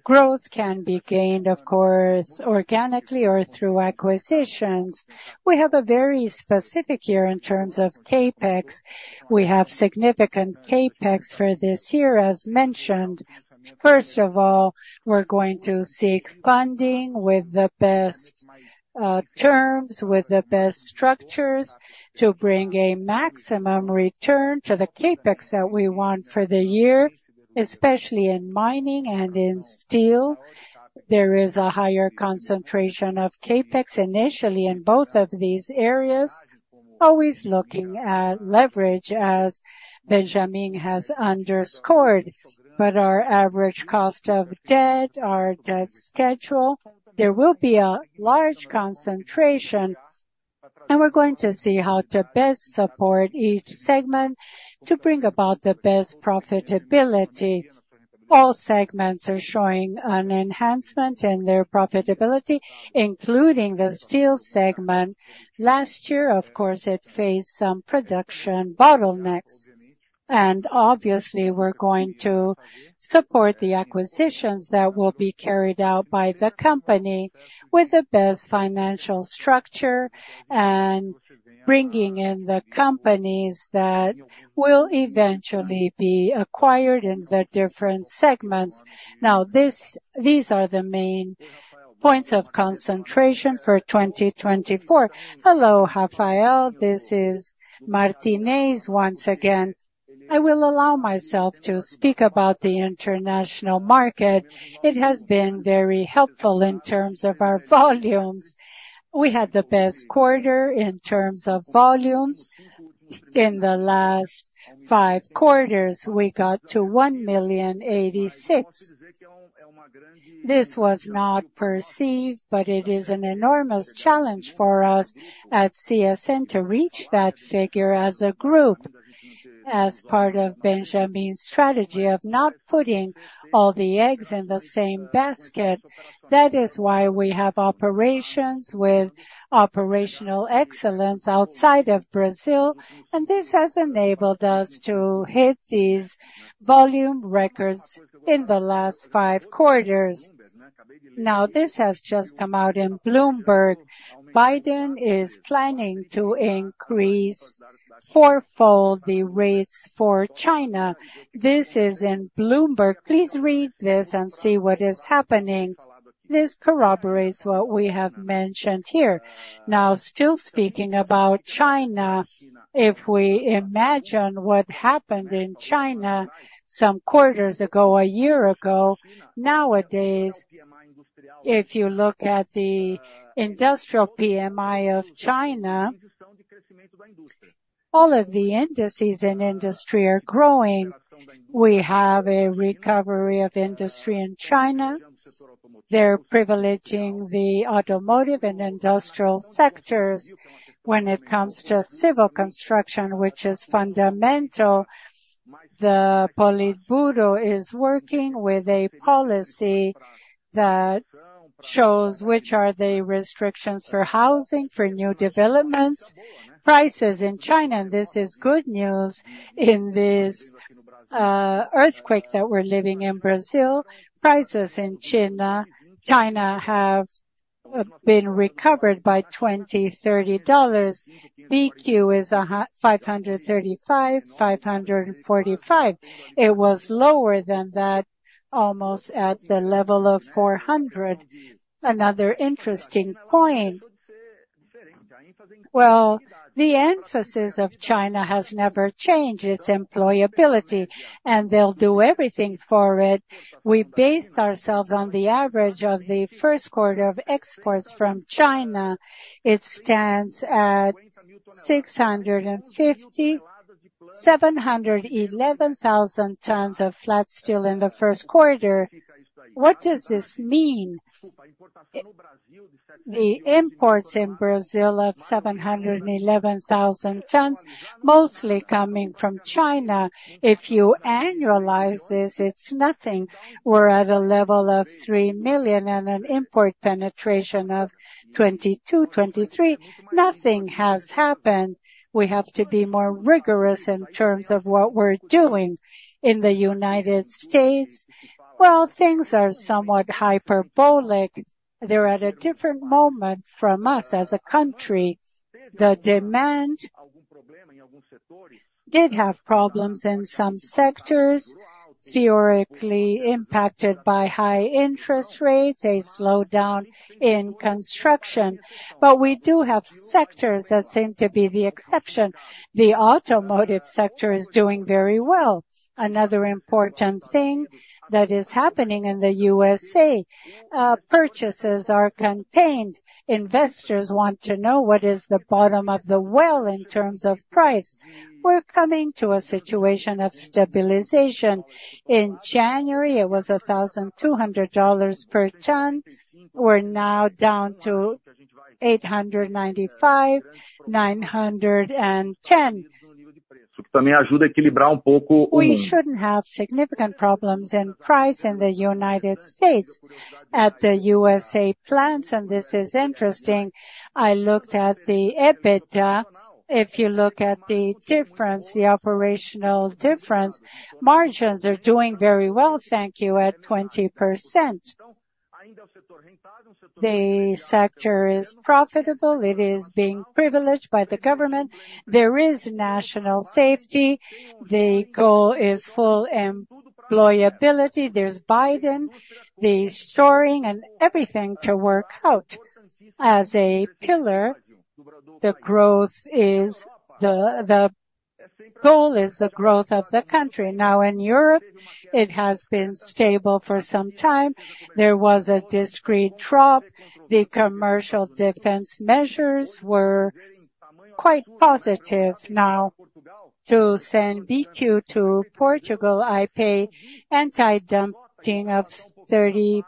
Growth can be gained, of course, organically or through acquisitions. We have a very specific year in terms of CapEx. We have significant CapEx for this year, as mentioned. First of all, we're going to seek funding with the best terms, with the best structures to bring a maximum return to the CapEx that we want for the year, especially in mining and in steel. There is a higher concentration of CapEx initially in both of these areas, always looking at leverage, as Benjamin has underscored, but our average cost of debt, our debt schedule, there will be a large concentration, and we're going to see how to best support each segment to bring about the best profitability. All segments are showing an enhancement in their profitability, including the steel segment. Last year, of course, it faced some production bottlenecks. Obviously, we're going to support the acquisitions that will be carried out by the company with the best financial structure and bringing in the companies that will eventually be acquired in the different segments. Now, these are the main points of concentration for 2024. Hello, Rafael. This is Martinez once again. I will allow myself to speak about the international market. It has been very helpful in terms of our volumes. We had the best quarter in terms of volumes. In the last 5 quarters, we got to 1,086,000. This was not perceived, but it is an enormous challenge for us at CSN to reach that figure as a group as part of Benjamin's strategy of not putting all the eggs in the same basket. That is why we have operations with operational excellence outside of Brazil, and this has enabled us to hit these volume records in the last 5 quarters. Now, this has just come out in Bloomberg. Biden is planning to increase fourfold the rates for China. This is in Bloomberg. Please read this and see what is happening. This corroborates what we have mentioned here. Now, still speaking about China, if we imagine what happened in China some quarters ago, a year ago, nowadays, if you look at the industrial PMI of China, all of the indices in industry are growing. We have a recovery of industry in China. They're privileging the automotive and industrial sectors when it comes to civil construction, which is fundamental. The Politburo is working with a policy that shows which are the restrictions for housing, for new developments. Prices in China, and this is good news in this earthquake that we're living in Brazil, prices in China have been recovered by $20-$30. BQ is $535-$545. It was lower than that, almost at the level of $400. Another interesting point, well, the emphasis of China has never changed, its employability, and they'll do everything for it. We base ourselves on the average of the first quarter of exports from China. It stands at 650,711,000 tons of flat steel in the first quarter. What does this mean? The imports in Brazil of 711,000 tons, mostly coming from China, if you annualize this, it's nothing. We're at a level of 3 million and an import penetration of 22%-23%. Nothing has happened. We have to be more rigorous in terms of what we're doing in the United States. Well, things are somewhat hyperbolic. They're at a different moment from us as a country. The demand did have problems in some sectors, theoretically impacted by high interest rates, a slowdown in construction. But we do have sectors that seem to be the exception. The automotive sector is doing very well. Another important thing that is happening in the USA, purchases are contained. Investors want to know what is the bottom of the well in terms of price. We're coming to a situation of stabilization. In January, it was $1,200 per ton. We're now down to $895-$910. We shouldn't have significant problems in price in the United States at the USA plants. And this is interesting. I looked at the EBITDA. If you look at the difference, the operational difference, margins are doing very well, thank you, at 20%. The sector is profitable. It is being privileged by the government. There is national safety. The goal is full employability. There's Biden, the reshoring, and everything to work out. As a pillar, the growth is the goal is the growth of the country. Now, in Europe, it has been stable for some time. There was a discrete drop. The commercial defense measures were quite positive. Now, to send BQ to Portugal, I pay anti-dumping of 53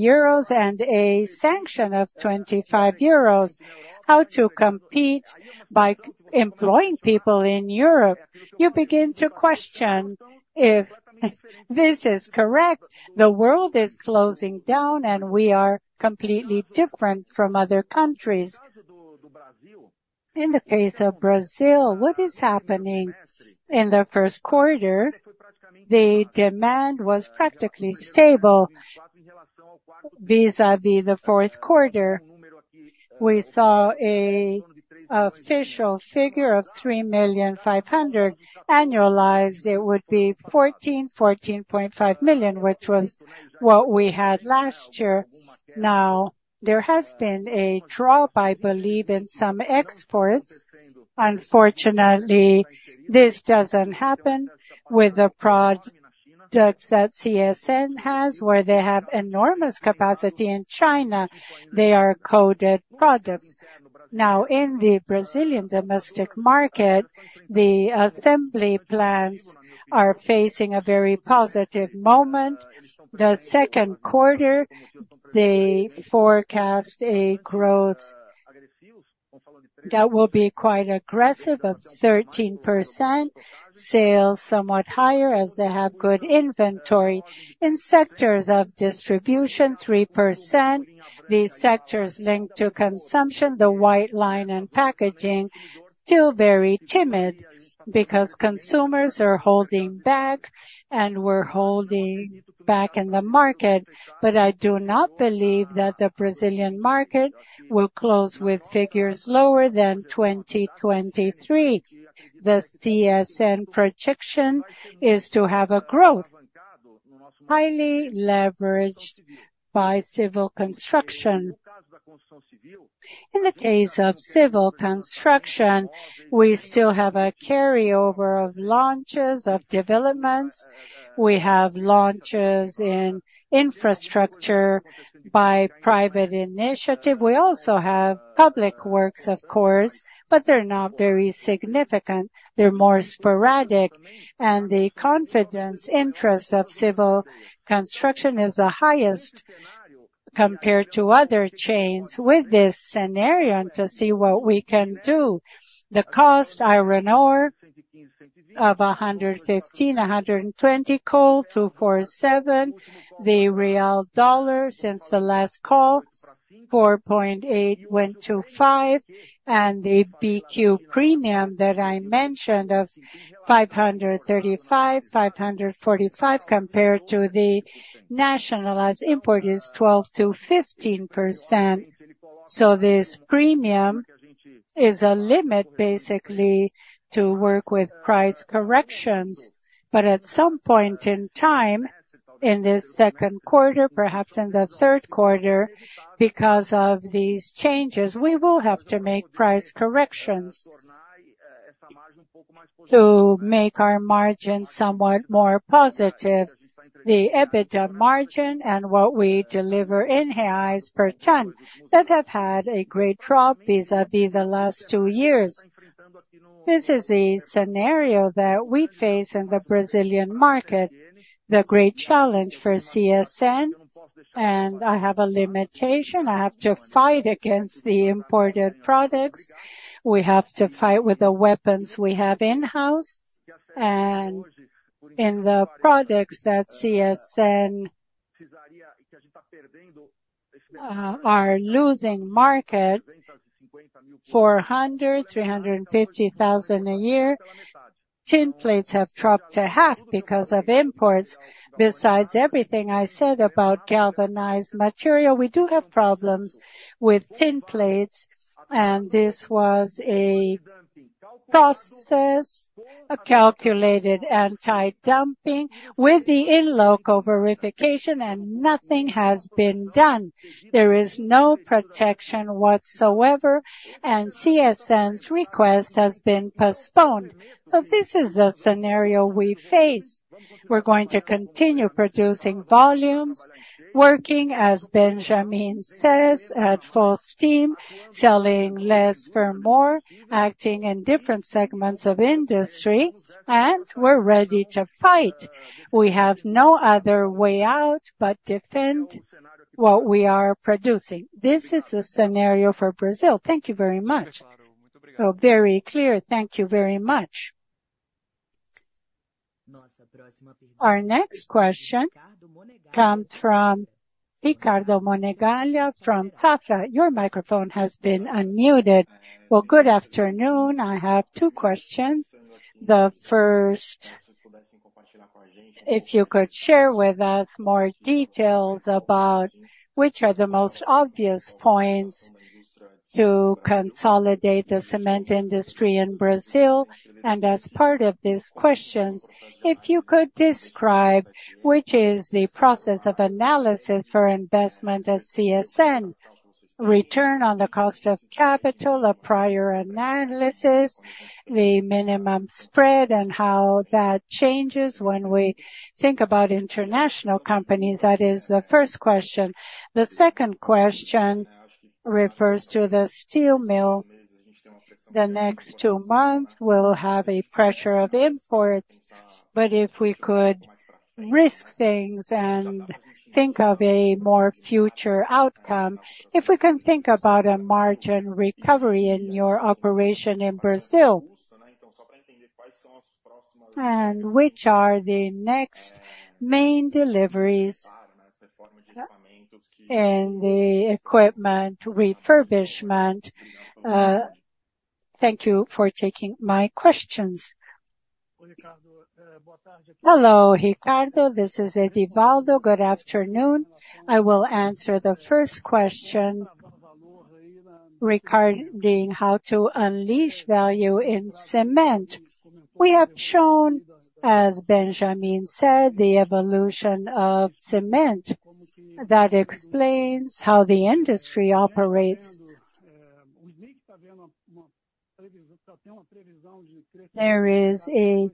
euros and a sanction of 25 euros. How to compete by employing people in Europe? You begin to question if this is correct. The world is closing down, and we are completely different from other countries. In the case of Brazil, what is happening? In the first quarter, the demand was practically stable vis-à-vis the fourth quarter. We saw an official figure of 3.5 million. Annualized, it would be 14-14.5 million, which was what we had last year. Now, there has been a drop, I believe, in some exports. Unfortunately, this doesn't happen with the products that CSN has, where they have enormous capacity. In China, they are coded products. Now, in the Brazilian domestic market, the assembly plants are facing a very positive moment. The second quarter, they forecast a growth that will be quite aggressive of 13%, sales somewhat higher as they have good inventory. In sectors of distribution, 3%. The sectors linked to consumption, the white line and packaging, still very timid because consumers are holding back and we're holding back in the market. But I do not believe that the Brazilian market will close with figures lower than 2023. The CSN projection is to have a growth highly leveraged by civil construction. In the case of civil construction, we still have a carryover of launches of developments. We have launches in infrastructure by private initiative. We also have public works, of course, but they're not very significant. They're more sporadic. The confidence, interest of civil construction is the highest compared to other chains with this scenario and to see what we can do. The cost of iron ore of $115-$120, coal $247, the real dollar since the last call 4.8 went to 5. And the BQ premium that I mentioned of $535-$545 compared to the nationalized import is 12%-15%. So this premium is a limit, basically, to work with price corrections. But at some point in time, in this second quarter, perhaps in the third quarter, because of these changes, we will have to make price corrections to make our margins somewhat more positive. The EBITDA margin and what we deliver in highs per ton that have had a great drop vis-à-vis the last two years. This is the scenario that we face in the Brazilian market, the great challenge for CSN. And I have a limitation. I have to fight against the imported products. We have to fight with the weapons we have in-house. In the products that CSN are losing market, 400, 350,000 a year, tin plates have dropped to half because of imports. Besides everything I said about galvanized material, we do have problems with tin plates. And this was a process, a calculated anti-dumping with the in-local verification, and nothing has been done. There is no protection whatsoever, and CSN's request has been postponed. So this is the scenario we face. We're going to continue producing volumes, working, as Benjamin says, at full steam, selling less for more, acting in different segments of industry, and we're ready to fight. We have no other way out but defend what we are producing. This is the scenario for Brazil. Thank you very much. Oh, very clear. Thank you very much. Our next question comes from Ricardo Monegaglia from Safra. Your microphone has been unmuted. Well, good afternoon. I have two questions. The first, if you could share with us more details about which are the most obvious points to consolidate the cement industry in Brazil. And as part of these questions, if you could describe which is the process of analysis for investment at CSN, return on the cost of capital, a prior analysis, the minimum spread, and how that changes when we think about international companies. That is the first question. The second question refers to the steel mill. The next two months, we'll have a pressure of imports. But if we could risk things and think of a more future outcome, if we can think about a margin recovery in your operation in Brazil and which are the next main deliveries in the equipment refurbishment. Thank you for taking my questions. Hello, Ricardo. This is Edvaldo. Good afternoon. I will answer the first question regarding how to unleash value in cement. We have shown, as Benjamin said, the evolution of cement. That explains how the industry operates. There is a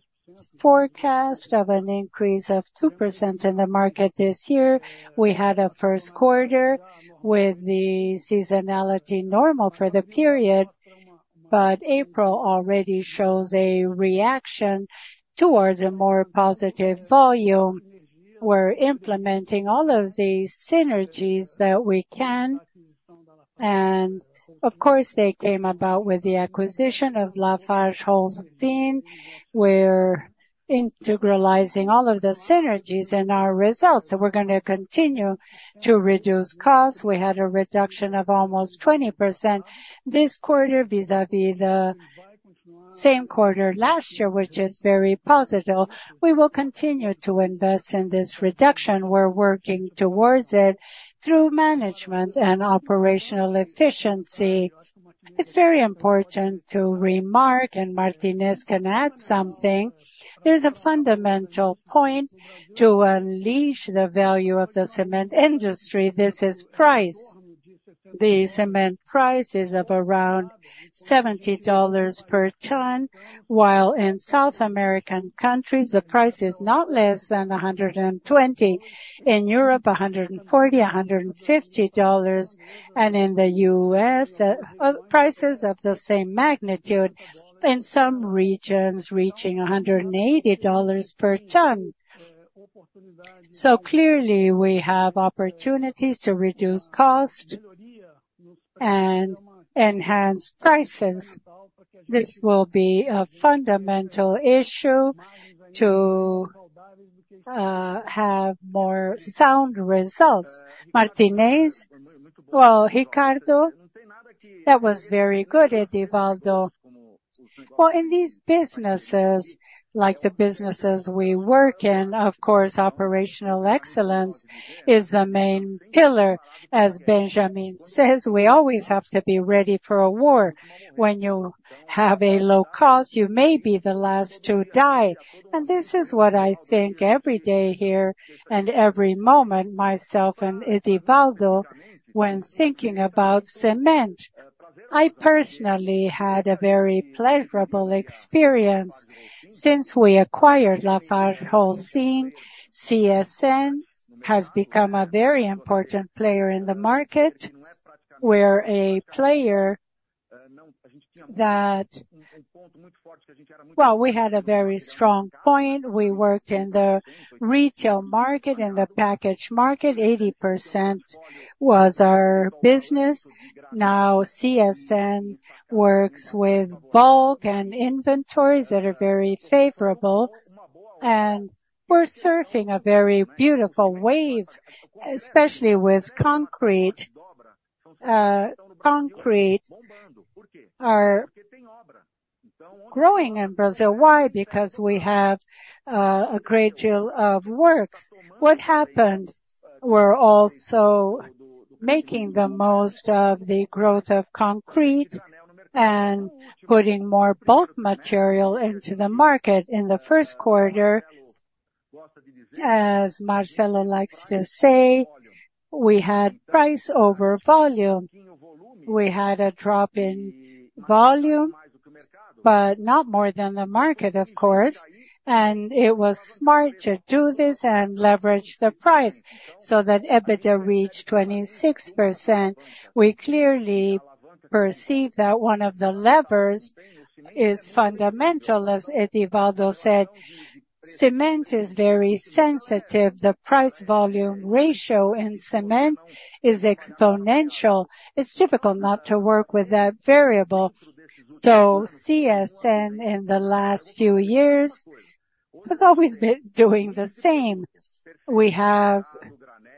forecast of an increase of 2% in the market this year. We had a first quarter with the seasonality normal for the period, but April already shows a reaction towards a more positive volume. We're implementing all of the synergies that we can. And of course, they came about with the acquisition of LafargeHolcim. We're integrating all of the synergies in our results. We're going to continue to reduce costs. We had a reduction of almost 20% this quarter vis-à-vis the same quarter last year, which is very positive. We will continue to invest in this reduction. We're working towards it through management and operational efficiency. It's very important to remark, and Martinez can add something. There's a fundamental point to unleash the value of the cement industry. This is price. The cement price is of around $70 per ton, while in South American countries, the price is not less than $120. In Europe, $140, $150, and in the US, prices of the same magnitude, in some regions reaching $180 per ton. So clearly, we have opportunities to reduce costs and enhance prices. This will be a fundamental issue to have more sound results. Martinez, well, Ricardo, that was very good, Edvaldo. Well, in these businesses, like the businesses we work in, of course, operational excellence is the main pillar. As Benjamin says, we always have to be ready for a war. When you have a low cost, you may be the last to die. And this is what I think every day here and every moment, myself and Edvaldo, when thinking about cement. I personally had a very pleasurable experience since we acquired LafargeHolcim. CSN has become a very important player in the market. We're a player that, well, we had a very strong point. We worked in the retail market, in the package market. 80% was our business. Now, CSN works with bulk and inventories that are very favorable. And we're surfing a very beautiful wave, especially with concrete growing in Brazil. Why? Because we have a great deal of works. What happened? We're also making the most of the growth of concrete and putting more bulk material into the market. In the first quarter, as Marcelo likes to say, we had price over volume. We had a drop in volume, but not more than the market, of course. And it was smart to do this and leverage the price so that EBITDA reached 26%. We clearly perceive that one of the levers is fundamental, as Edvaldo said. Cement is very sensitive. The price-volume ratio in cement is exponential. It's difficult not to work with that variable. So CSN, in the last few years, has always been doing the same. We have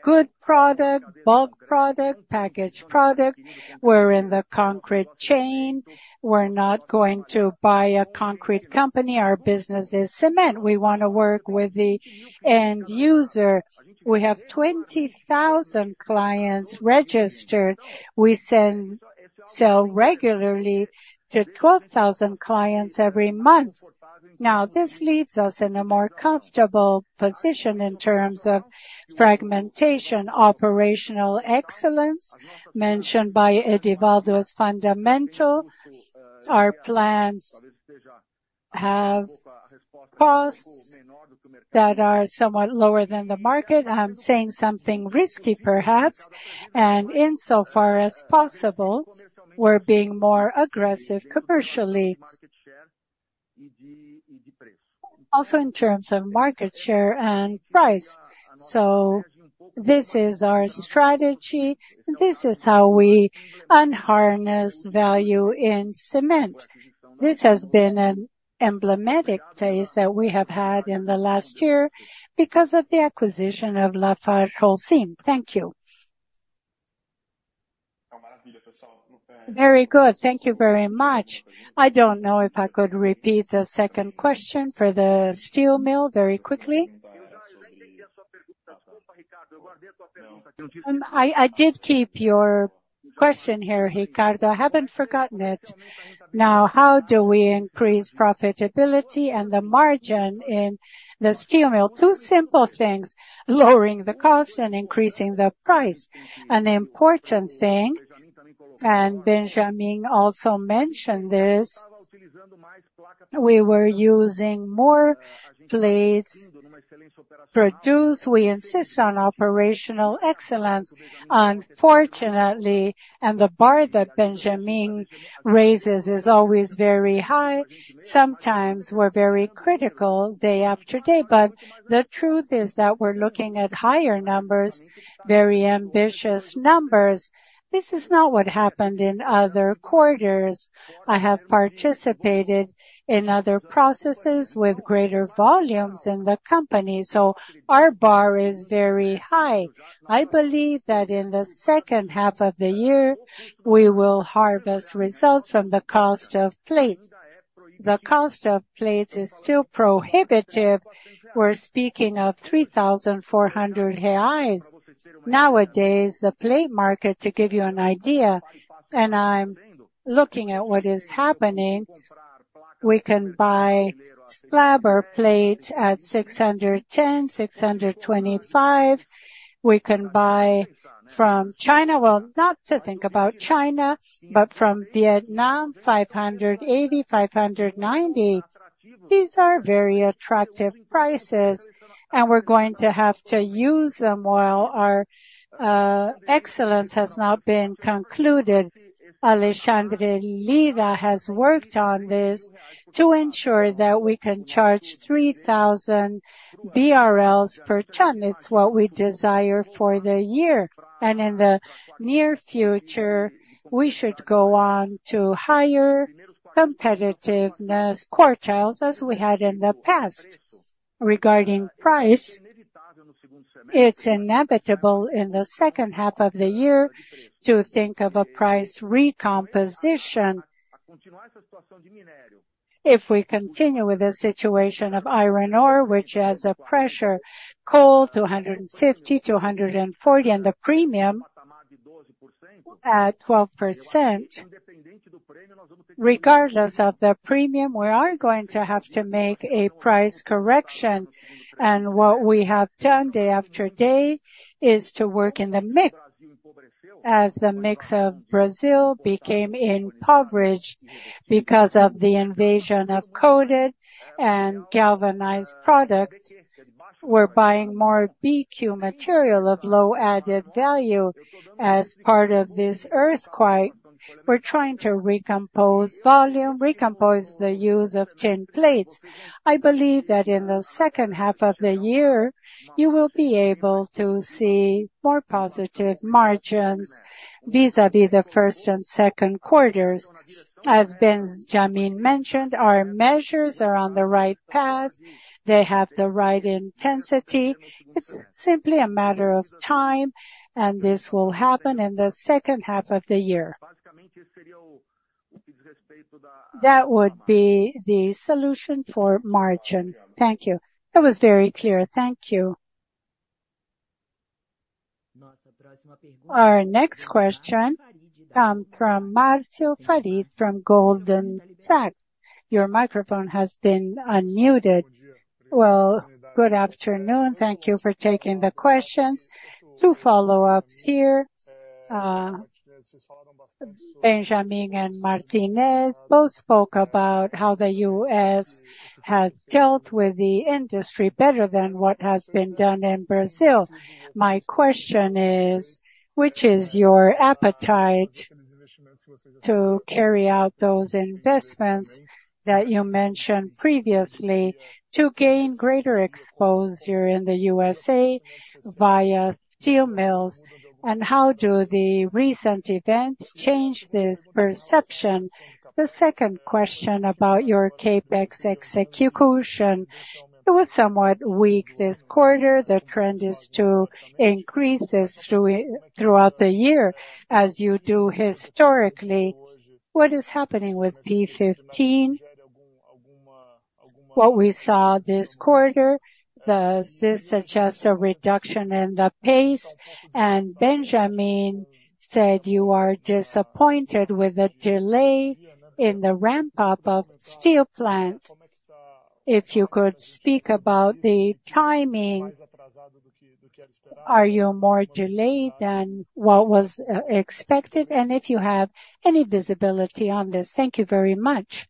good product, bulk product, package product. We're in the concrete chain. We're not going to buy a concrete company. Our business is cement. We want to work with the end user. We have 20,000 clients registered. We sell regularly to 12,000 clients every month. Now, this leaves us in a more comfortable position in terms of fragmentation, operational excellence mentioned by Edvaldo as fundamental. Our plans have costs that are somewhat lower than the market. I'm saying something risky, perhaps. And insofar as possible, we're being more aggressive commercially, also in terms of market share and price. So this is our strategy. This is how we unleash value in cement. This has been an emblematic phase that we have had in the last year because of the acquisition of LafargeHolcim. Thank you. Very good. Thank you very much. I don't know if I could repeat the second question for the steel mill very quickly. I did keep your question here, Ricardo. I haven't forgotten it. Now, how do we increase profitability and the margin in the steel mill? Two simple things: lowering the cost and increasing the price. An important thing, and Benjamin also mentioned this, we were using more plates to produce. We insist on operational excellence, unfortunately. And the bar that Benjamin raises is always very high. Sometimes we're very critical day after day. But the truth is that we're looking at higher numbers, very ambitious numbers. This is not what happened in other quarters. I have participated in other processes with greater volumes in the company. Our bar is very high. I believe that in the second half of the year, we will harvest results from the cost of plates. The cost of plates is still prohibitive. We're speaking of $3,400. Nowadays, the plate market, to give you an idea, and I'm looking at what is happening, we can buy slab or plate at $610-$625. We can buy from China, well, not to think about China, but from Vietnam, $580-$590. These are very attractive prices. We're going to have to use them while our expansion has not been concluded. Alexandre Lyra has worked on this to ensure that we can charge 3,000 BRL per ton. It's what we desire for the year. In the near future, we should go on to higher competitiveness quartiles as we had in the past. Regarding price, it's inevitable in the second half of the year to think of a price recomposition. If we continue with the situation of iron ore, which has a pressure, coal $250, $240, and the premium at 12%, regardless of the premium, we are going to have to make a price correction. And what we have done day after day is to work in the mix, as the mix of Brazil became impoverished because of the invasion of coated and galvanized product. We're buying more BQ material of low added value as part of this earthquake. We're trying to recompose volume, recompose the use of tin plates. I believe that in the second half of the year, you will be able to see more positive margins vis-à-vis the first and second quarters. As Benjamin mentioned, our measures are on the right path. They have the right intensity. It's simply a matter of time. And this will happen in the second half of the year. That would be the solution for margin. Thank you. That was very clear. Thank you. Our next question comes from Márcio Farid from Goldman Sachs. Your microphone has been unmuted. Well, good afternoon. Thank you for taking the questions. Two follow-ups here. Benjamin and Martinez both spoke about how the US has dealt with the industry better than what has been done in Brazil. My question is, which is your appetite to carry out those investments that you mentioned previously to gain greater exposure in the USA via steel mills? How do the recent events change this perception? The second question about your CapEx execution. It was somewhat weak this quarter. The trend is to increase this throughout the year as you do historically. What is happening with P15? What we saw this quarter, does this suggest a reduction in the pace? And Benjamin said you are disappointed with the delay in the ramp-up of steel plant. If you could speak about the timing, are you more delayed than what was expected? And if you have any visibility on this, thank you very much.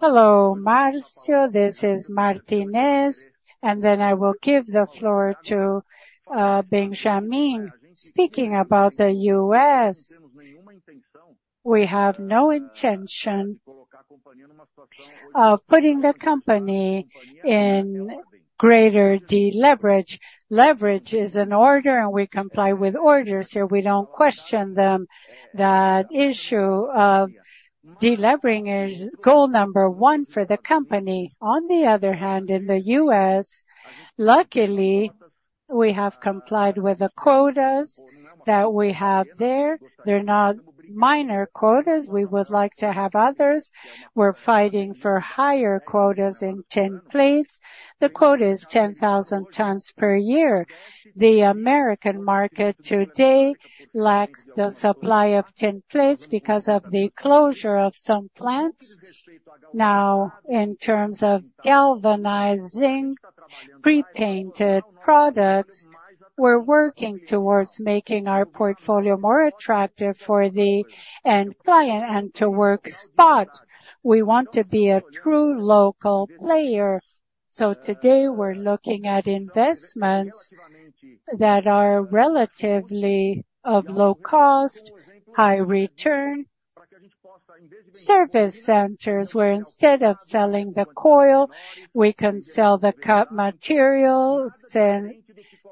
Hello, Márcio. This is Martinez. Then I will give the floor to Benjamin. Speaking about the U.S., we have no intention of putting the company in greater deleverage. Leverage is an order, and we comply with orders here. We don't question them. That issue of delevering is goal number one for the company. On the other hand, in the U.S., luckily, we have complied with the quotas that we have there. They're not minor quotas. We would like to have others. We're fighting for higher quotas in tin plates. The quota is 10,000 tons per year. The American market today lacks the supply of tin plates because of the closure of some plants. Now, in terms of galvanizing pre-painted products, we're working towards making our portfolio more attractive for the end client and to work spot. We want to be a true local player. So today, we're looking at investments that are relatively of low cost, high return, service centers where instead of selling the coil, we can sell the cut materials and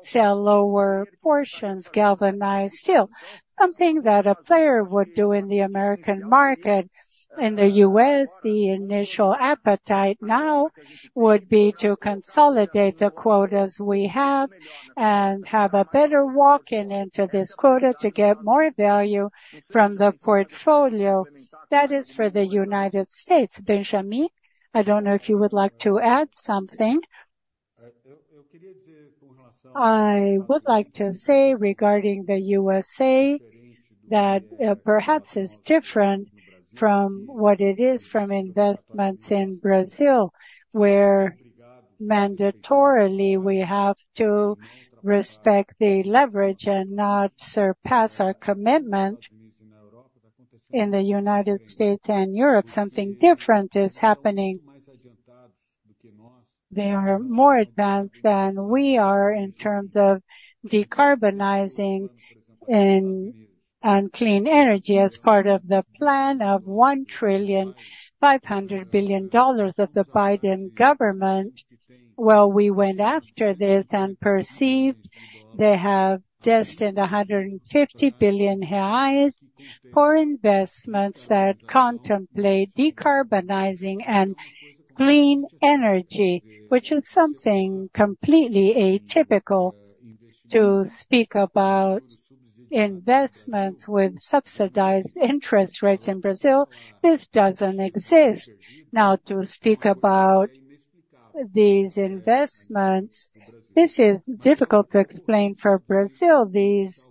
sell lower portions, galvanized steel, something that a player would do in the American market. In the US, the initial appetite now would be to consolidate the quotas we have and have a better walk-in into this quota to get more value from the portfolio. That is for the United States. Benjamin, I don't know if you would like to add something. I would like to say regarding the USA that perhaps it's different from what it is from investments in Brazil, where mandatorily we have to respect the leverage and not surpass our commitment in the United States and Europe. Something different is happening. They are more advanced than we are in terms of decarbonizing and clean energy as part of the plan of $1 trillion, $500 billion of the Biden government. Well, we went after this and perceived they have destined $150 billion for investments that contemplate decarbonizing and clean energy, which is something completely atypical to speak about investments with subsidized interest rates in Brazil. This doesn't exist. Now, to speak about these investments, this is difficult to explain for Brazil, these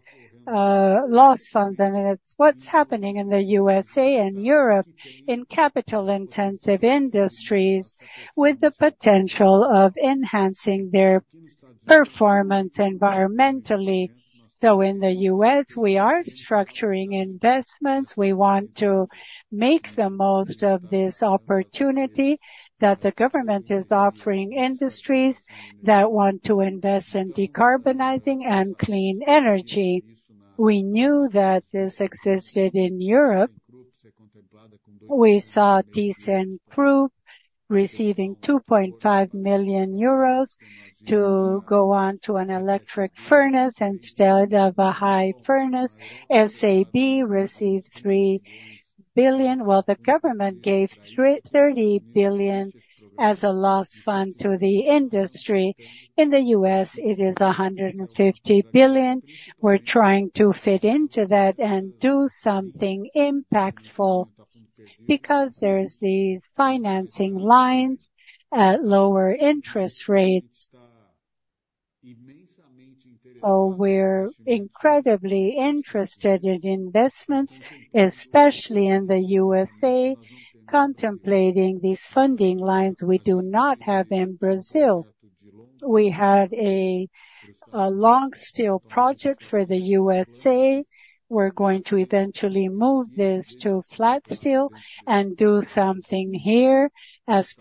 loan funds, and it's what's happening in the USA and Europe in capital-intensive industries with the potential of enhancing their performance environmentally. So in the US, we are structuring investments. We want to make the most of this opportunity that the government is offering industries that want to invest in decarbonizing and clean energy. We knew that this existed in Europe. We saw ThyssenKrupp receiving 2.5 million euros to go on to an electric furnace instead of a blast furnace. SSAB received $3 billion. Well, the government gave $30 billion as a loan fund to the industry. In the US, it is $150 billion. We're trying to fit into that and do something impactful because there's these financing lines at lower interest rates. So we're incredibly interested in investments, especially in the USA, contemplating these funding lines. We do not have in Brazil. We had a long steel project for the USA. We're going to eventually move this to flat steel and do something here as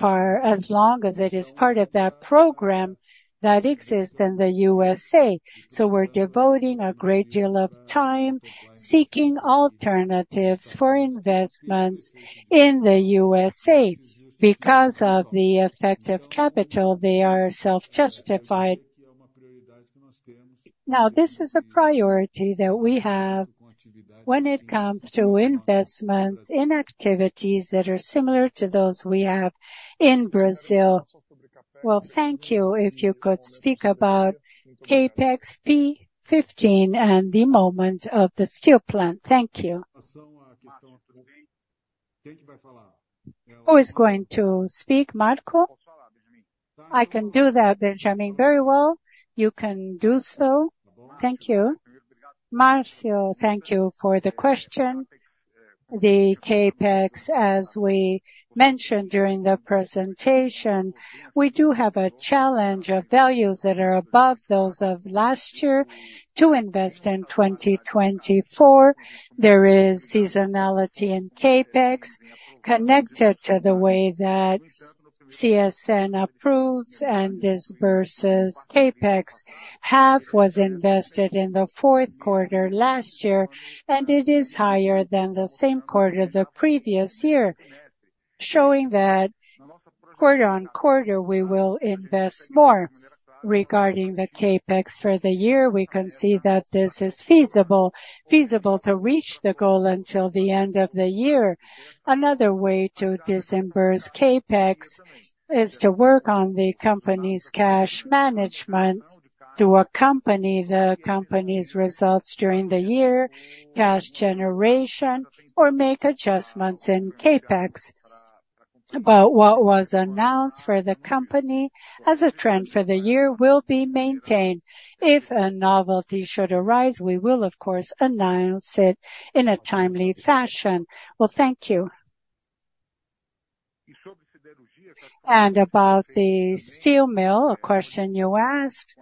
long as it is part of that program that exists in the USA. So we're devoting a great deal of time seeking alternatives for investments in the USA because of the effect of capital. They are self-justified. Now, this is a priority that we have when it comes to investments in activities that are similar to those we have in Brazil. Well, thank you if you could speak about CapEx P15 and the moment of the steel plant. Thank you. Who is going to speak, Marco? I can do that, Benjamin, very well. You can do so. Thank you. Márcio, thank you for the question. The CapEx, as we mentioned during the presentation, we do have a challenge of values that are above those of last year to invest in 2024. There is seasonality in CapEx connected to the way that CSN approves and disburses. CapEx half was invested in the fourth quarter last year, and it is higher than the same quarter the previous year, showing that quarter-over-quarter we will invest more. Regarding the CapEx for the year, we can see that this is feasible to reach the goal until the end of the year. Another way to disburse CapEx is to work on the company's cash management to accompany the company's results during the year, cash generation, or make adjustments in CapEx. What was announced for the company as a trend for the year will be maintained. If a novelty should arise, we will, of course, announce it in a timely fashion. Well, thank you. And about the steel mill, a question you asked.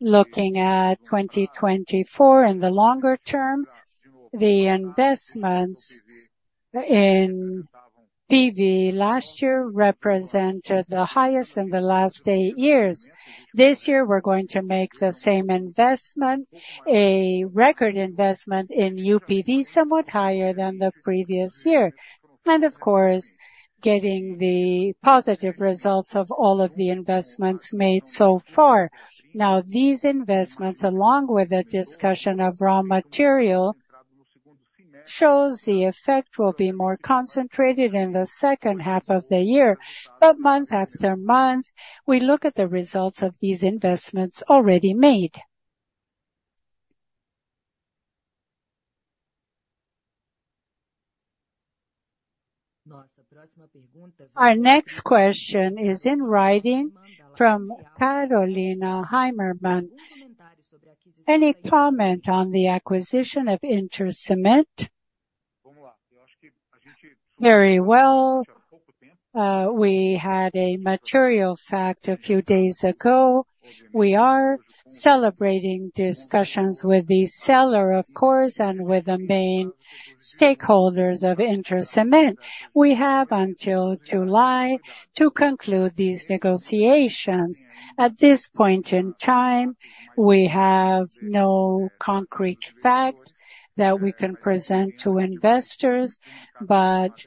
Looking at 2024 in the longer term, the investments in PV last year represented the highest in the last eight years. This year, we're going to make the same investment, a record investment in UPV, somewhat higher than the previous year, and of course, getting the positive results of all of the investments made so far. Now, these investments, along with a discussion of raw material, show the effect will be more concentrated in the second half of the year. Month after month, we look at the results of these investments already made. Our next question is in writing from Carolina Heimermann. Any comment on the acquisition of InterCement? Very well. We had a material fact a few days ago. We are celebrating discussions with the seller, of course, and with the main stakeholders of InterCement. We have until July to conclude these negotiations. At this point in time, we have no concrete fact that we can present to investors, but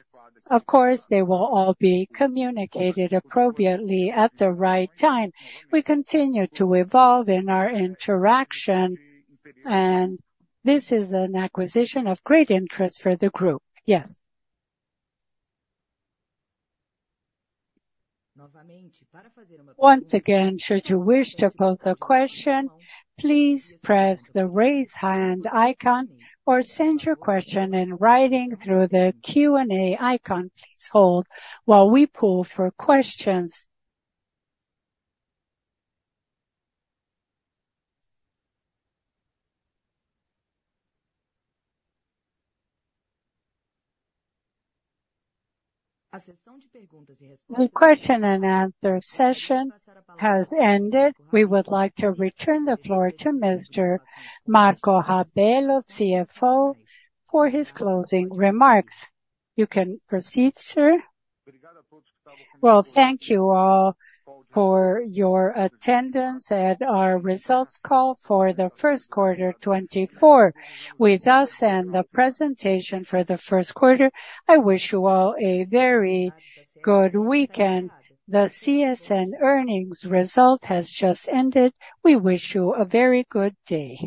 of course, they will all be communicated appropriately at the right time. We continue to evolve in our interaction, and this is an acquisition of great interest for the group. Yes. Once again, should you wish to pose a question, please press the raise hand icon or send your question in writing through the Q&A icon. Please hold while we poll for questions. The question and answer session has ended. We would like to return the floor to Mr. Marco Rabello, CFO, for his closing remarks. You can proceed, sir. Well, thank you all for your attendance at our results call for the first quarter 2024. With us and the presentation for the first quarter, I wish you all a very good weekend. The CSN earnings result has just ended. We wish you a very good day.